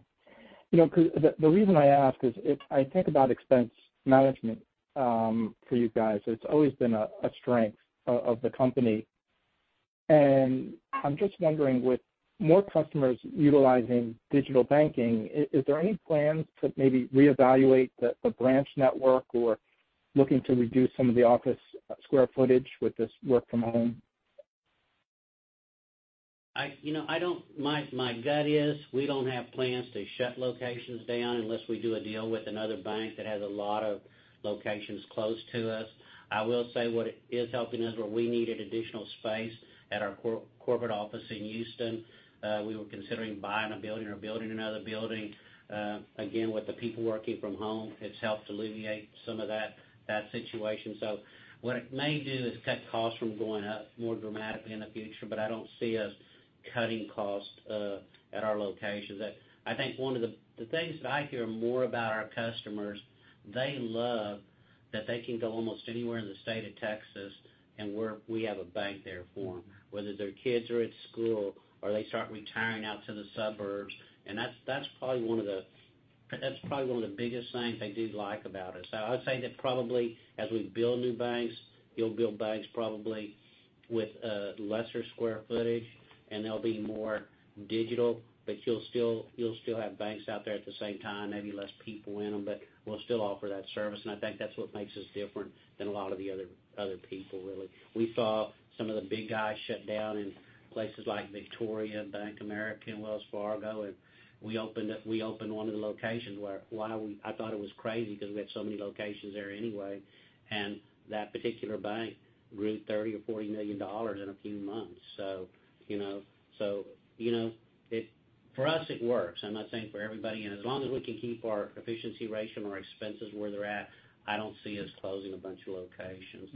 The reason I ask is I think about expense management for you guys. It's always been a strength of the company. I'm just wondering, with more customers utilizing digital banking, is there any plans to maybe reevaluate the branch network or looking to reduce some of the office square footage with this work from home? My gut is we don't have plans to shut locations down unless we do a deal with another bank that has a lot of locations close to us. I will say what is helping us, where we needed additional space at our corporate office in Houston, we were considering buying a building or building another building. Again, with the people working from home, it's helped alleviate some of that situation. What it may do is cut costs from going up more dramatically in the future, but I don't see us cutting costs at our locations. I think one of the things that I hear more about our customers, they love that they can go almost anywhere in the state of Texas, and we have a bank there for them, whether their kids are at school or they start retiring out to the suburbs. That's probably one of the biggest things they do like about us. I would say that probably as we build new banks, you'll build banks probably with lesser square footage, and they'll be more digital, but you'll still have banks out there at the same time, maybe less people in them, but we'll still offer that service, and I think that's what makes us different than a lot of the other people, really. We saw some of the big guys shut down in places like Victoria, Bank of America, and Wells Fargo, and we opened one of the locations where I thought it was crazy because we had so many locations there anyway. That particular bank grew $30 million or $40 million in a few months. For us, it works. I'm not saying for everybody, and as long as we can keep our efficiency ratio and our expenses where they're at, I don't see us closing a bunch of locations.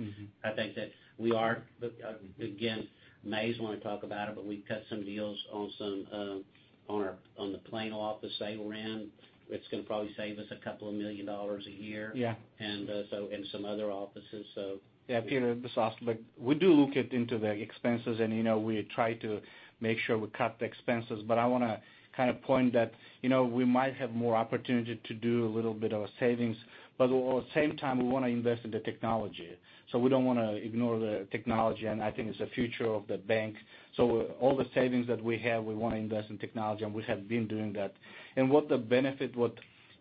I think that we are, again, Mays want to talk about it, but we've cut some deals on the Plano office that we're in. It's going to probably save us a couple of million dollars a year. Yeah. In some other offices. Peter, this is Asylbek. We do look into the expenses, we try to make sure we cut the expenses, I want to kind of point that we might have more opportunity to do a little bit of savings, at the same time, we want to invest in the technology. We don't want to ignore the technology, I think it's the future of the bank. All the savings that we have, we want to invest in technology, we have been doing that. What the benefit with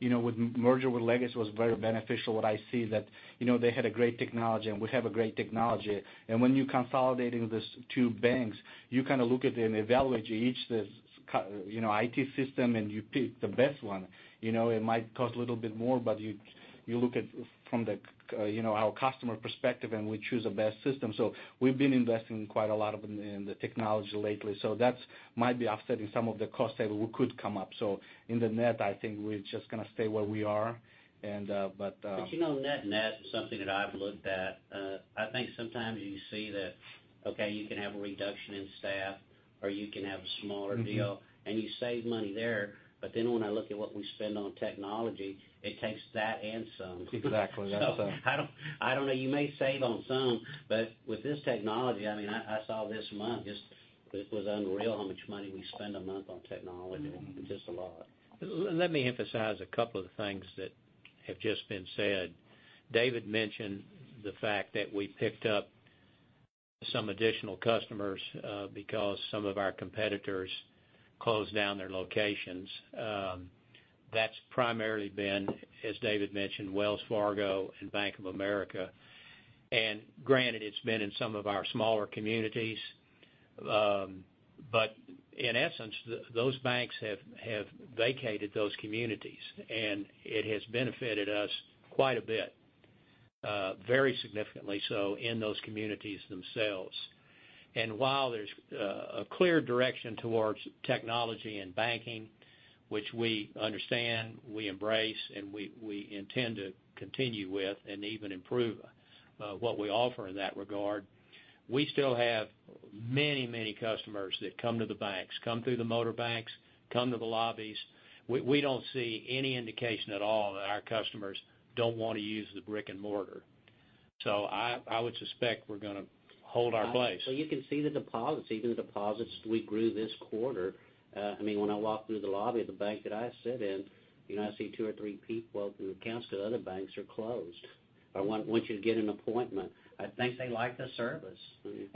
merger with Legacy was very beneficial. What I see that they had a great technology, we have a great technology. When you're consolidating these two banks, you kind of look at and evaluate each IT system, you pick the best one. It might cost a little bit more, but you look at from our customer perspective, and we choose the best system. We've been investing quite a lot in the technology lately. That might be offsetting some of the costs that could come up. In the net, I think we're just going to stay where we are. Net is something that I've looked at. I think sometimes you see that, okay, you can have a reduction in staff, or you can have a smaller deal, and you save money there. When I look at what we spend on technology, it takes that and some. Exactly. That's right. I don't know. You may save on some, but with this technology, I saw this month, just it was unreal how much money we spend a month on technology. Just a lot. Let me emphasize a couple of things that have just been said. David mentioned the fact that we picked up some additional customers because some of our competitors closed down their locations. That's primarily been, as David mentioned, Wells Fargo and Bank of America. Granted, it's been in some of our smaller communities. In essence, those banks have vacated those communities, and it has benefited us quite a bit, very significantly so in those communities themselves. While there's a clear direction towards technology and banking, which we understand, we embrace, and we intend to continue with and even improve what we offer in that regard, we still have many customers that come to the banks, come through the motor banks, come to the lobbies. We don't see any indication at all that our customers don't want to use the brick and mortar. I would suspect we're going to hold our place. Well, you can see the deposits. Even the deposits we grew this quarter. When I walk through the lobby of the bank that I sit in, I see two or three people opening accounts because other banks are closed, or once you get an appointment. I think they like the service.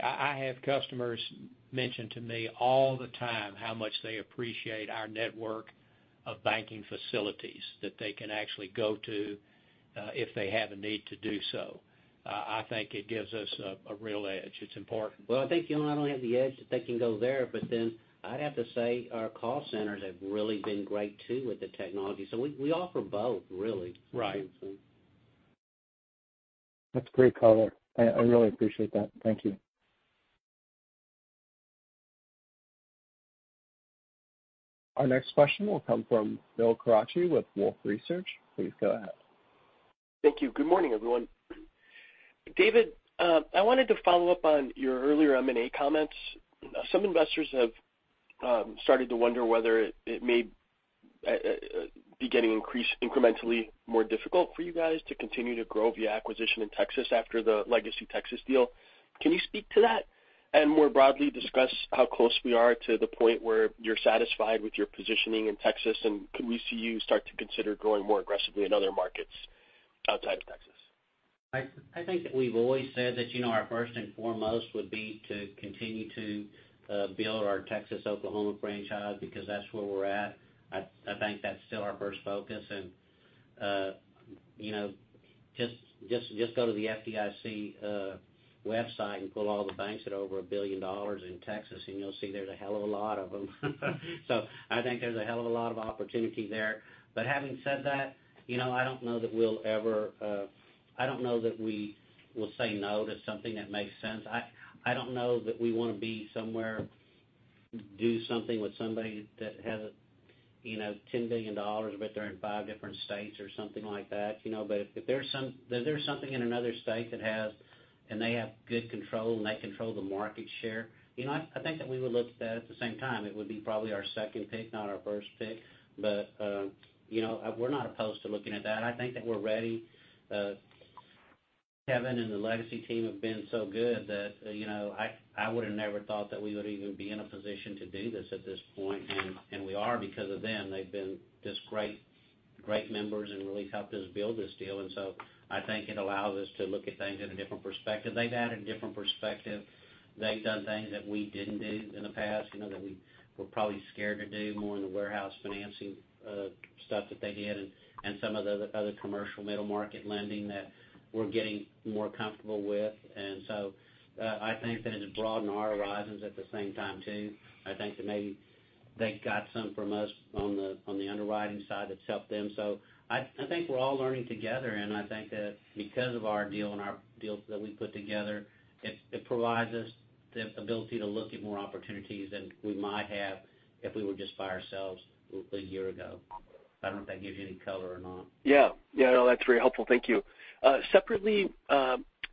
I have customers mention to me all the time how much they appreciate our network of banking facilities that they can actually go to if they have a need to do so. I think it gives us a real edge. It's important. I think not only have the edge that they can go there, but then I'd have to say our call centers have really been great too with the technology. We offer both, really. Right. That's great color. I really appreciate that. Thank you. Our next question will come from Bill Carcache with Wolfe Research. Please go ahead. Thank you. Good morning, everyone. David, I wanted to follow up on your earlier M&A comments. Some investors have started to wonder whether it may be getting increased incrementally more difficult for you guys to continue to grow via acquisition in Texas after the LegacyTexas deal. Can you speak to that? More broadly, discuss how close we are to the point where you're satisfied with your positioning in Texas, and could we see you start to consider growing more aggressively in other markets outside of Texas? I think that we've always said that our first and foremost would be to continue to build our Texas-Oklahoma franchise, because that's where we're at. I think that's still our first focus. Just go to the FDIC website and pull all the banks that are over $1 billion in Texas, and you'll see there's a hell of a lot of them. I think there's a hell of a lot of opportunity there. Having said that, I don't know that we'll say no to something that makes sense. I don't know that we want to be somewhere, do something with somebody that has $10 billion, but they're in five different states or something like that. If there's something in another state, and they have good control, and they control the market share, I think that we would look at that. At the same time, it would be probably our second pick, not our first pick. We're not opposed to looking at that. I think that we're ready. Kevin and the Legacy team have been so good that I would've never thought that we would even be in a position to do this at this point, and we are because of them. They've been just great members and really helped us build this deal. I think it allows us to look at things in a different perspective. They've added a different perspective. They've done things that we didn't do in the past, that we were probably scared to do, more in the warehouse financing stuff that they did and some of the other commercial middle-market lending that we're getting more comfortable with. I think that it's broadened our horizons at the same time, too. I think that maybe they got something from us on the underwriting side that's helped them. I think we're all learning together, and I think that because of our deal and our deals that we put together, it provides us the ability to look at more opportunities than we might have if we were just by ourselves a year ago. I don't know if that gives you any color or not. Yeah, that's very helpful. Thank you. Separately,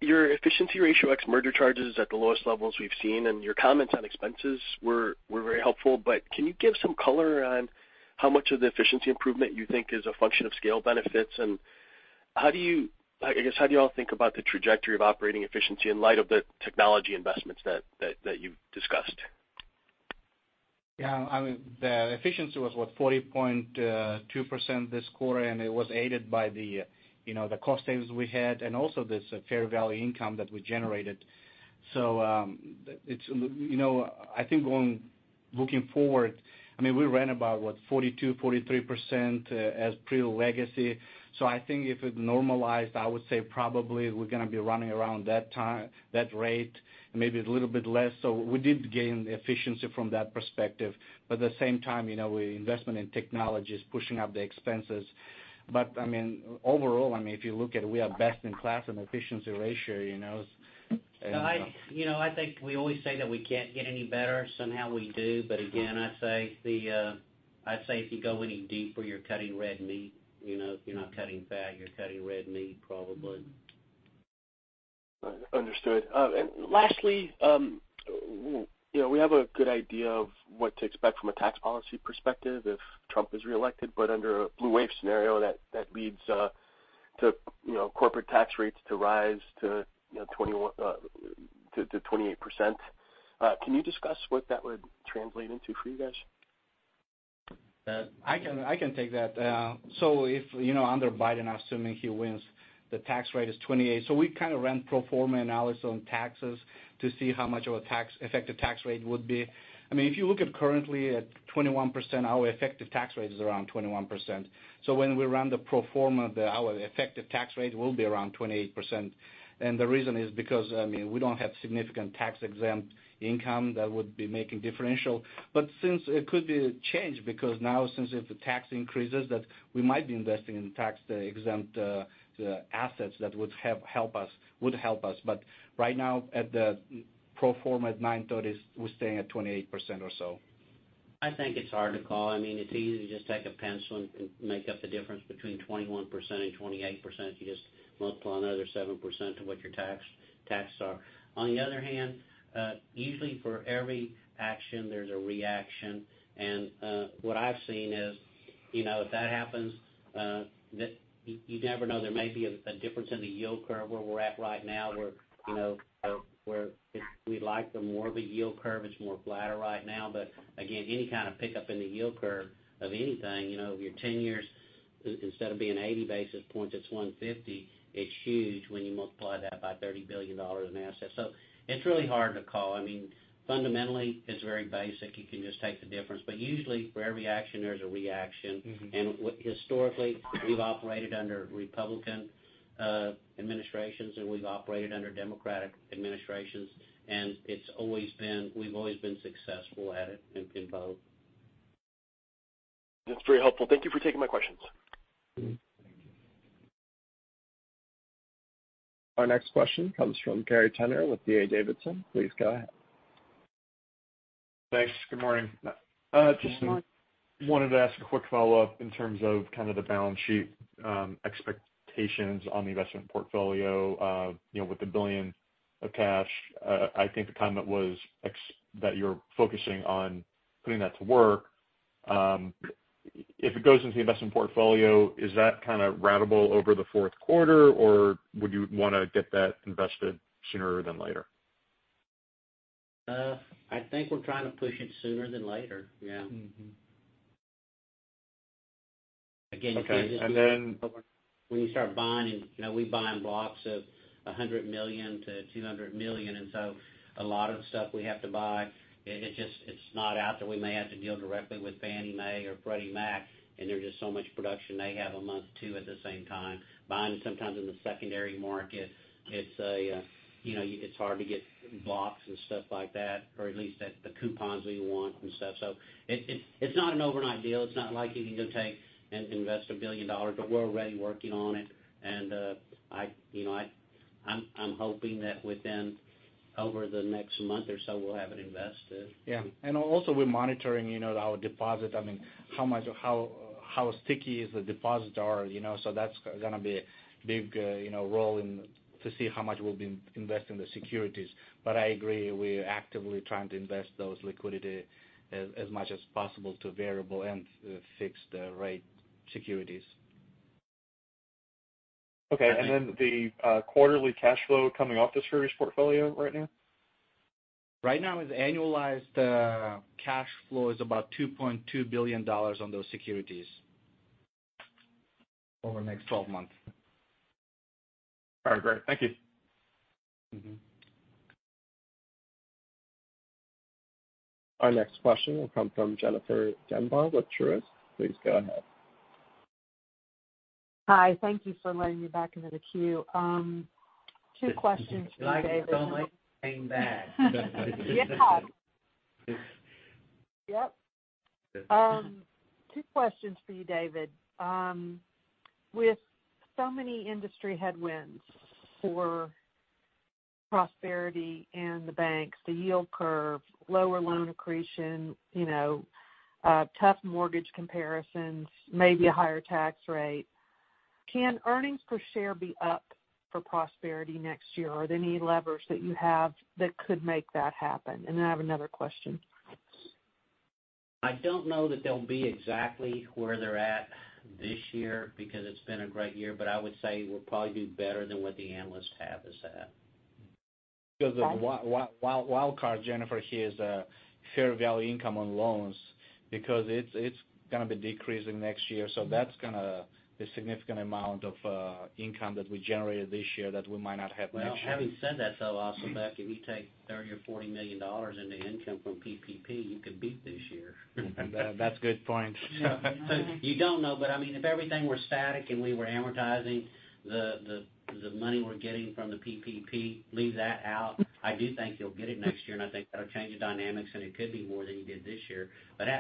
your efficiency ratio ex-merger charges is at the lowest levels we've seen, and your comments on expenses were very helpful. Can you give some color on how much of the efficiency improvement you think is a function of scale benefits? I guess, how do you all think about the trajectory of operating efficiency in light of the technology investments that you've discussed? Yeah. The efficiency was, what, 40.2% this quarter, and it was aided by the cost savings we had and also this fair value income that we generated. I think looking forward, we ran about, what, 42%, 43% as pre-Legacy. I think if it normalized, I would say probably we're going to be running around that rate, maybe a little bit less. We did gain efficiency from that perspective. At the same time, investment in technology is pushing up the expenses. Overall, if you look at it, we are best in class in efficiency ratio. I think we always say that we can't get any better. Somehow we do. Again, I'd say if you go any deeper, you're cutting red meat. If you're not cutting fat, you're cutting red meat, probably. Understood. Lastly, we have a good idea of what to expect from a tax policy perspective if Trump is reelected, but under a blue wave scenario that leads to corporate tax rates to rise to 28%, can you discuss what that would translate into for you guys? Under Biden, assuming he wins, the tax rate is 28%. We kind of ran pro forma analysis on taxes to see how much our effective tax rate would be. If you look at currently at 21%, our effective tax rate is around 21%. When we run the pro forma, our effective tax rate will be around 28%. The reason is because we don't have significant tax-exempt income that would be making a differential. Since it could be a change, because now since if the tax increases, that we might be investing in tax-exempt assets, that would help us. Right now, at the pro forma at 9/30, we're staying at 28% or so. I think it's hard to call. It's easy to just take a pencil and make up the difference between 21% and 28%. You just multiply another 7% to what your taxes are. On the other hand, usually for every action, there's a reaction, and what I've seen is, if that happens you never know, there may be a difference in the yield curve where we're at right now, where we like the more of a yield curve. It's more flatter right now. Again, any kind of pickup in the yield curve of anything, your 10 years, instead of being 80 basis points, it's 150. It's huge when you multiply that by $30 billion in assets. It's really hard to call. Fundamentally, it's very basic. You can just take the difference. Usually for every action, there's a reaction. Historically, we've operated under Republican administrations, and we've operated under Democratic administrations, and we've always been successful at it in both. That's very helpful. Thank you for taking my questions. Our next question comes from Gary Tenner with D.A. Davidson. Please go ahead. Thanks. Good morning. Good morning. Just wanted to ask a quick follow-up in terms of the balance sheet expectations on the investment portfolio with the billion of cash. I think the comment was that you're focusing on putting that to work. If it goes into the investment portfolio, is that kind of ratable over the fourth quarter, or would you want to get that invested sooner than later? I think we're trying to push it sooner than later, yeah. Okay. When you start buying, we buy in blocks of $100 million-$200 million, and so a lot of the stuff we have to buy, it's not out there. We may have to deal directly with Fannie Mae or Freddie Mac, and there's just so much production they have a month, too, at the same time. Buying sometimes in the secondary market, it's hard to get blocks and stuff like that, or at least the coupons we want and stuff. It's not an overnight deal. It's not like you can go take and invest $1 billion, but we're already working on it. I'm hoping that within over the next month or so, we'll have it invested. Yeah. Also, we're monitoring our deposits. How sticky the deposits are, that's going to be a big role to see how much we'll be investing in the securities. I agree, we're actively trying to invest that liquidity as much as possible to variable and fixed rate securities. Okay. Then the quarterly cash flow coming off the service portfolio right now? Right now, its annualized cash flow is about $2.2 billion on those securities over the next 12 months. All right, great. Thank you. Our next question will come from Jennifer Demba with Truist. Please go ahead. Hi. Thank you for letting me back into the queue. Two questions for you, David. Glad you could come right back. Yeah. Two questions for you, David. With so many industry headwinds for Prosperity and the banks, the yield curve, lower loan accretion, tough mortgage comparisons, maybe a higher tax rate, can earnings per share be up for Prosperity next year? Are there any levers that you have that could make that happen? I have another question. I don't know that they'll be exactly where they're at this year because it's been a great year, but I would say we'll probably do better than what the analysts have us at. The wild card, Jennifer, here is fair value income on loans because it's going to be decreasing next year. That's going to be a significant amount of income that we generated this year that we might not have next year. Well, having said that, though, also, Asylbek, if you take $30 million or $40 million into income from PPP, you could beat this year. That's a good point. You don't know, but if everything were static and we were amortizing the money we're getting from the PPP, leave that out, I do think you'll get it next year, and I think that'll change the dynamics and it could be more than you did this year.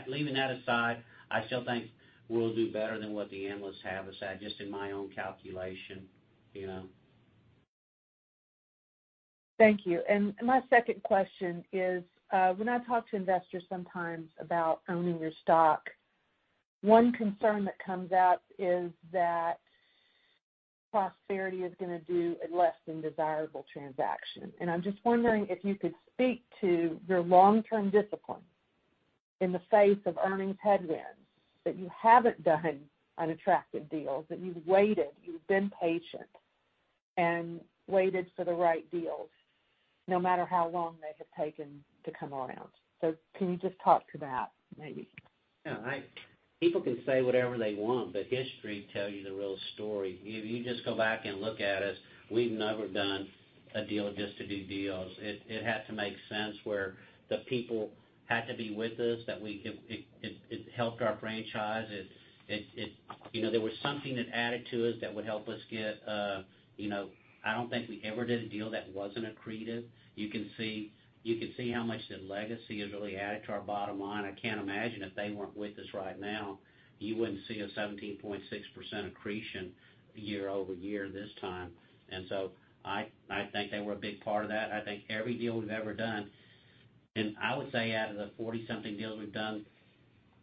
Leaving that aside, I still think we'll do better than what the analysts have us at, just in my own calculation. Thank you. My second question is, when I talk to investors sometimes about owning your stock, one concern that comes up is that Prosperity is going to do a less than desirable transaction. I'm just wondering if you could speak to your long-term discipline in the face of earnings headwinds that you haven't done unattractive deals, that you've waited, you've been patient and waited for the right deals, no matter how long they have taken to come around. Can you just talk to that maybe? People can say whatever they want, but history tells you the real story. If you just go back and look at us, we've never done a deal just to do deals. It had to make sense where the people had to be with us, that it helped our franchise. There was something that added to us that would help us get I don't think we ever did a deal that wasn't accretive. You can see how much that Legacy has really added to our bottom line. I can't imagine if they weren't with us right now, you wouldn't see a 17.6% accretion year-over-year this time. I think they were a big part of that. I think every deal we've ever done, I would say out of the 40-something deals we've done,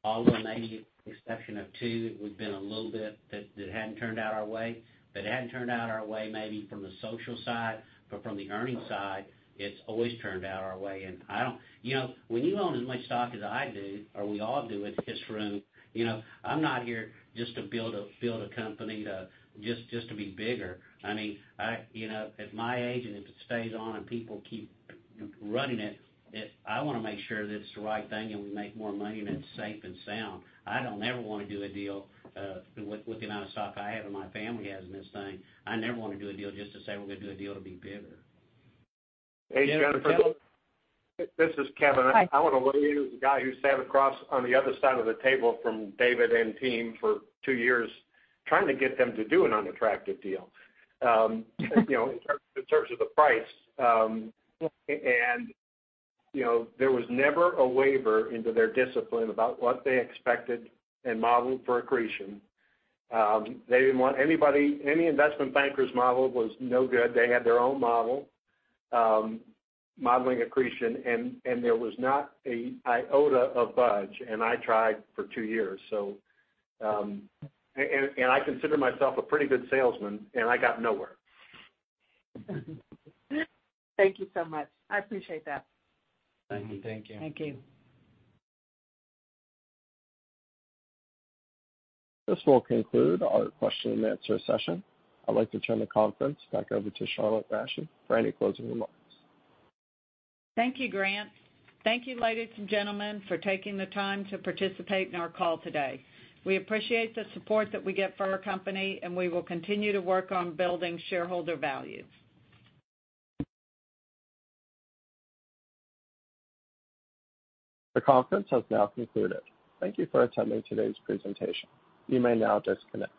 all of them, maybe with the exception of two, we've been a little bit that hadn't turned out our way. It hadn't turned out our way maybe from the social side, but from the earnings side, it's always turned out our way. When you own as much stock as I do, or we all do at this room, I'm not here just to build a company just to be bigger. At my age, and if it stays on and people keep running it, I want to make sure that it's the right thing and we make more money and it's safe and sound. I don't ever want to do a deal with the amount of stock I have and my family has in this thing, I never want to do a deal just to say we're going to do a deal to be bigger. Hey, Jennifer. This is Kevin. Hi. I want to let you, the guy who sat across on the other side of the table from David and team for two years trying to get them to do an unattractive deal in terms of the price. There was never a waiver into their discipline about what they expected and modeled for accretion. They didn't want anybody, any investment banker's model was no good. They had their own model, modeling accretion, and there was not an iota of budge, and I tried for two years. I consider myself a pretty good salesman, and I got nowhere. Thank you so much. I appreciate that. Thank you. Thank you. Thank you. This will conclude our question and answer session. I'd like to turn the conference back over to Charlotte Rasche for any closing remarks. Thank you, Grant. Thank you, ladies and gentlemen, for taking the time to participate in our call today. We appreciate the support that we get for our company, we will continue to work on building shareholder value. The conference has now concluded. Thank you for attending today's presentation. You may now disconnect.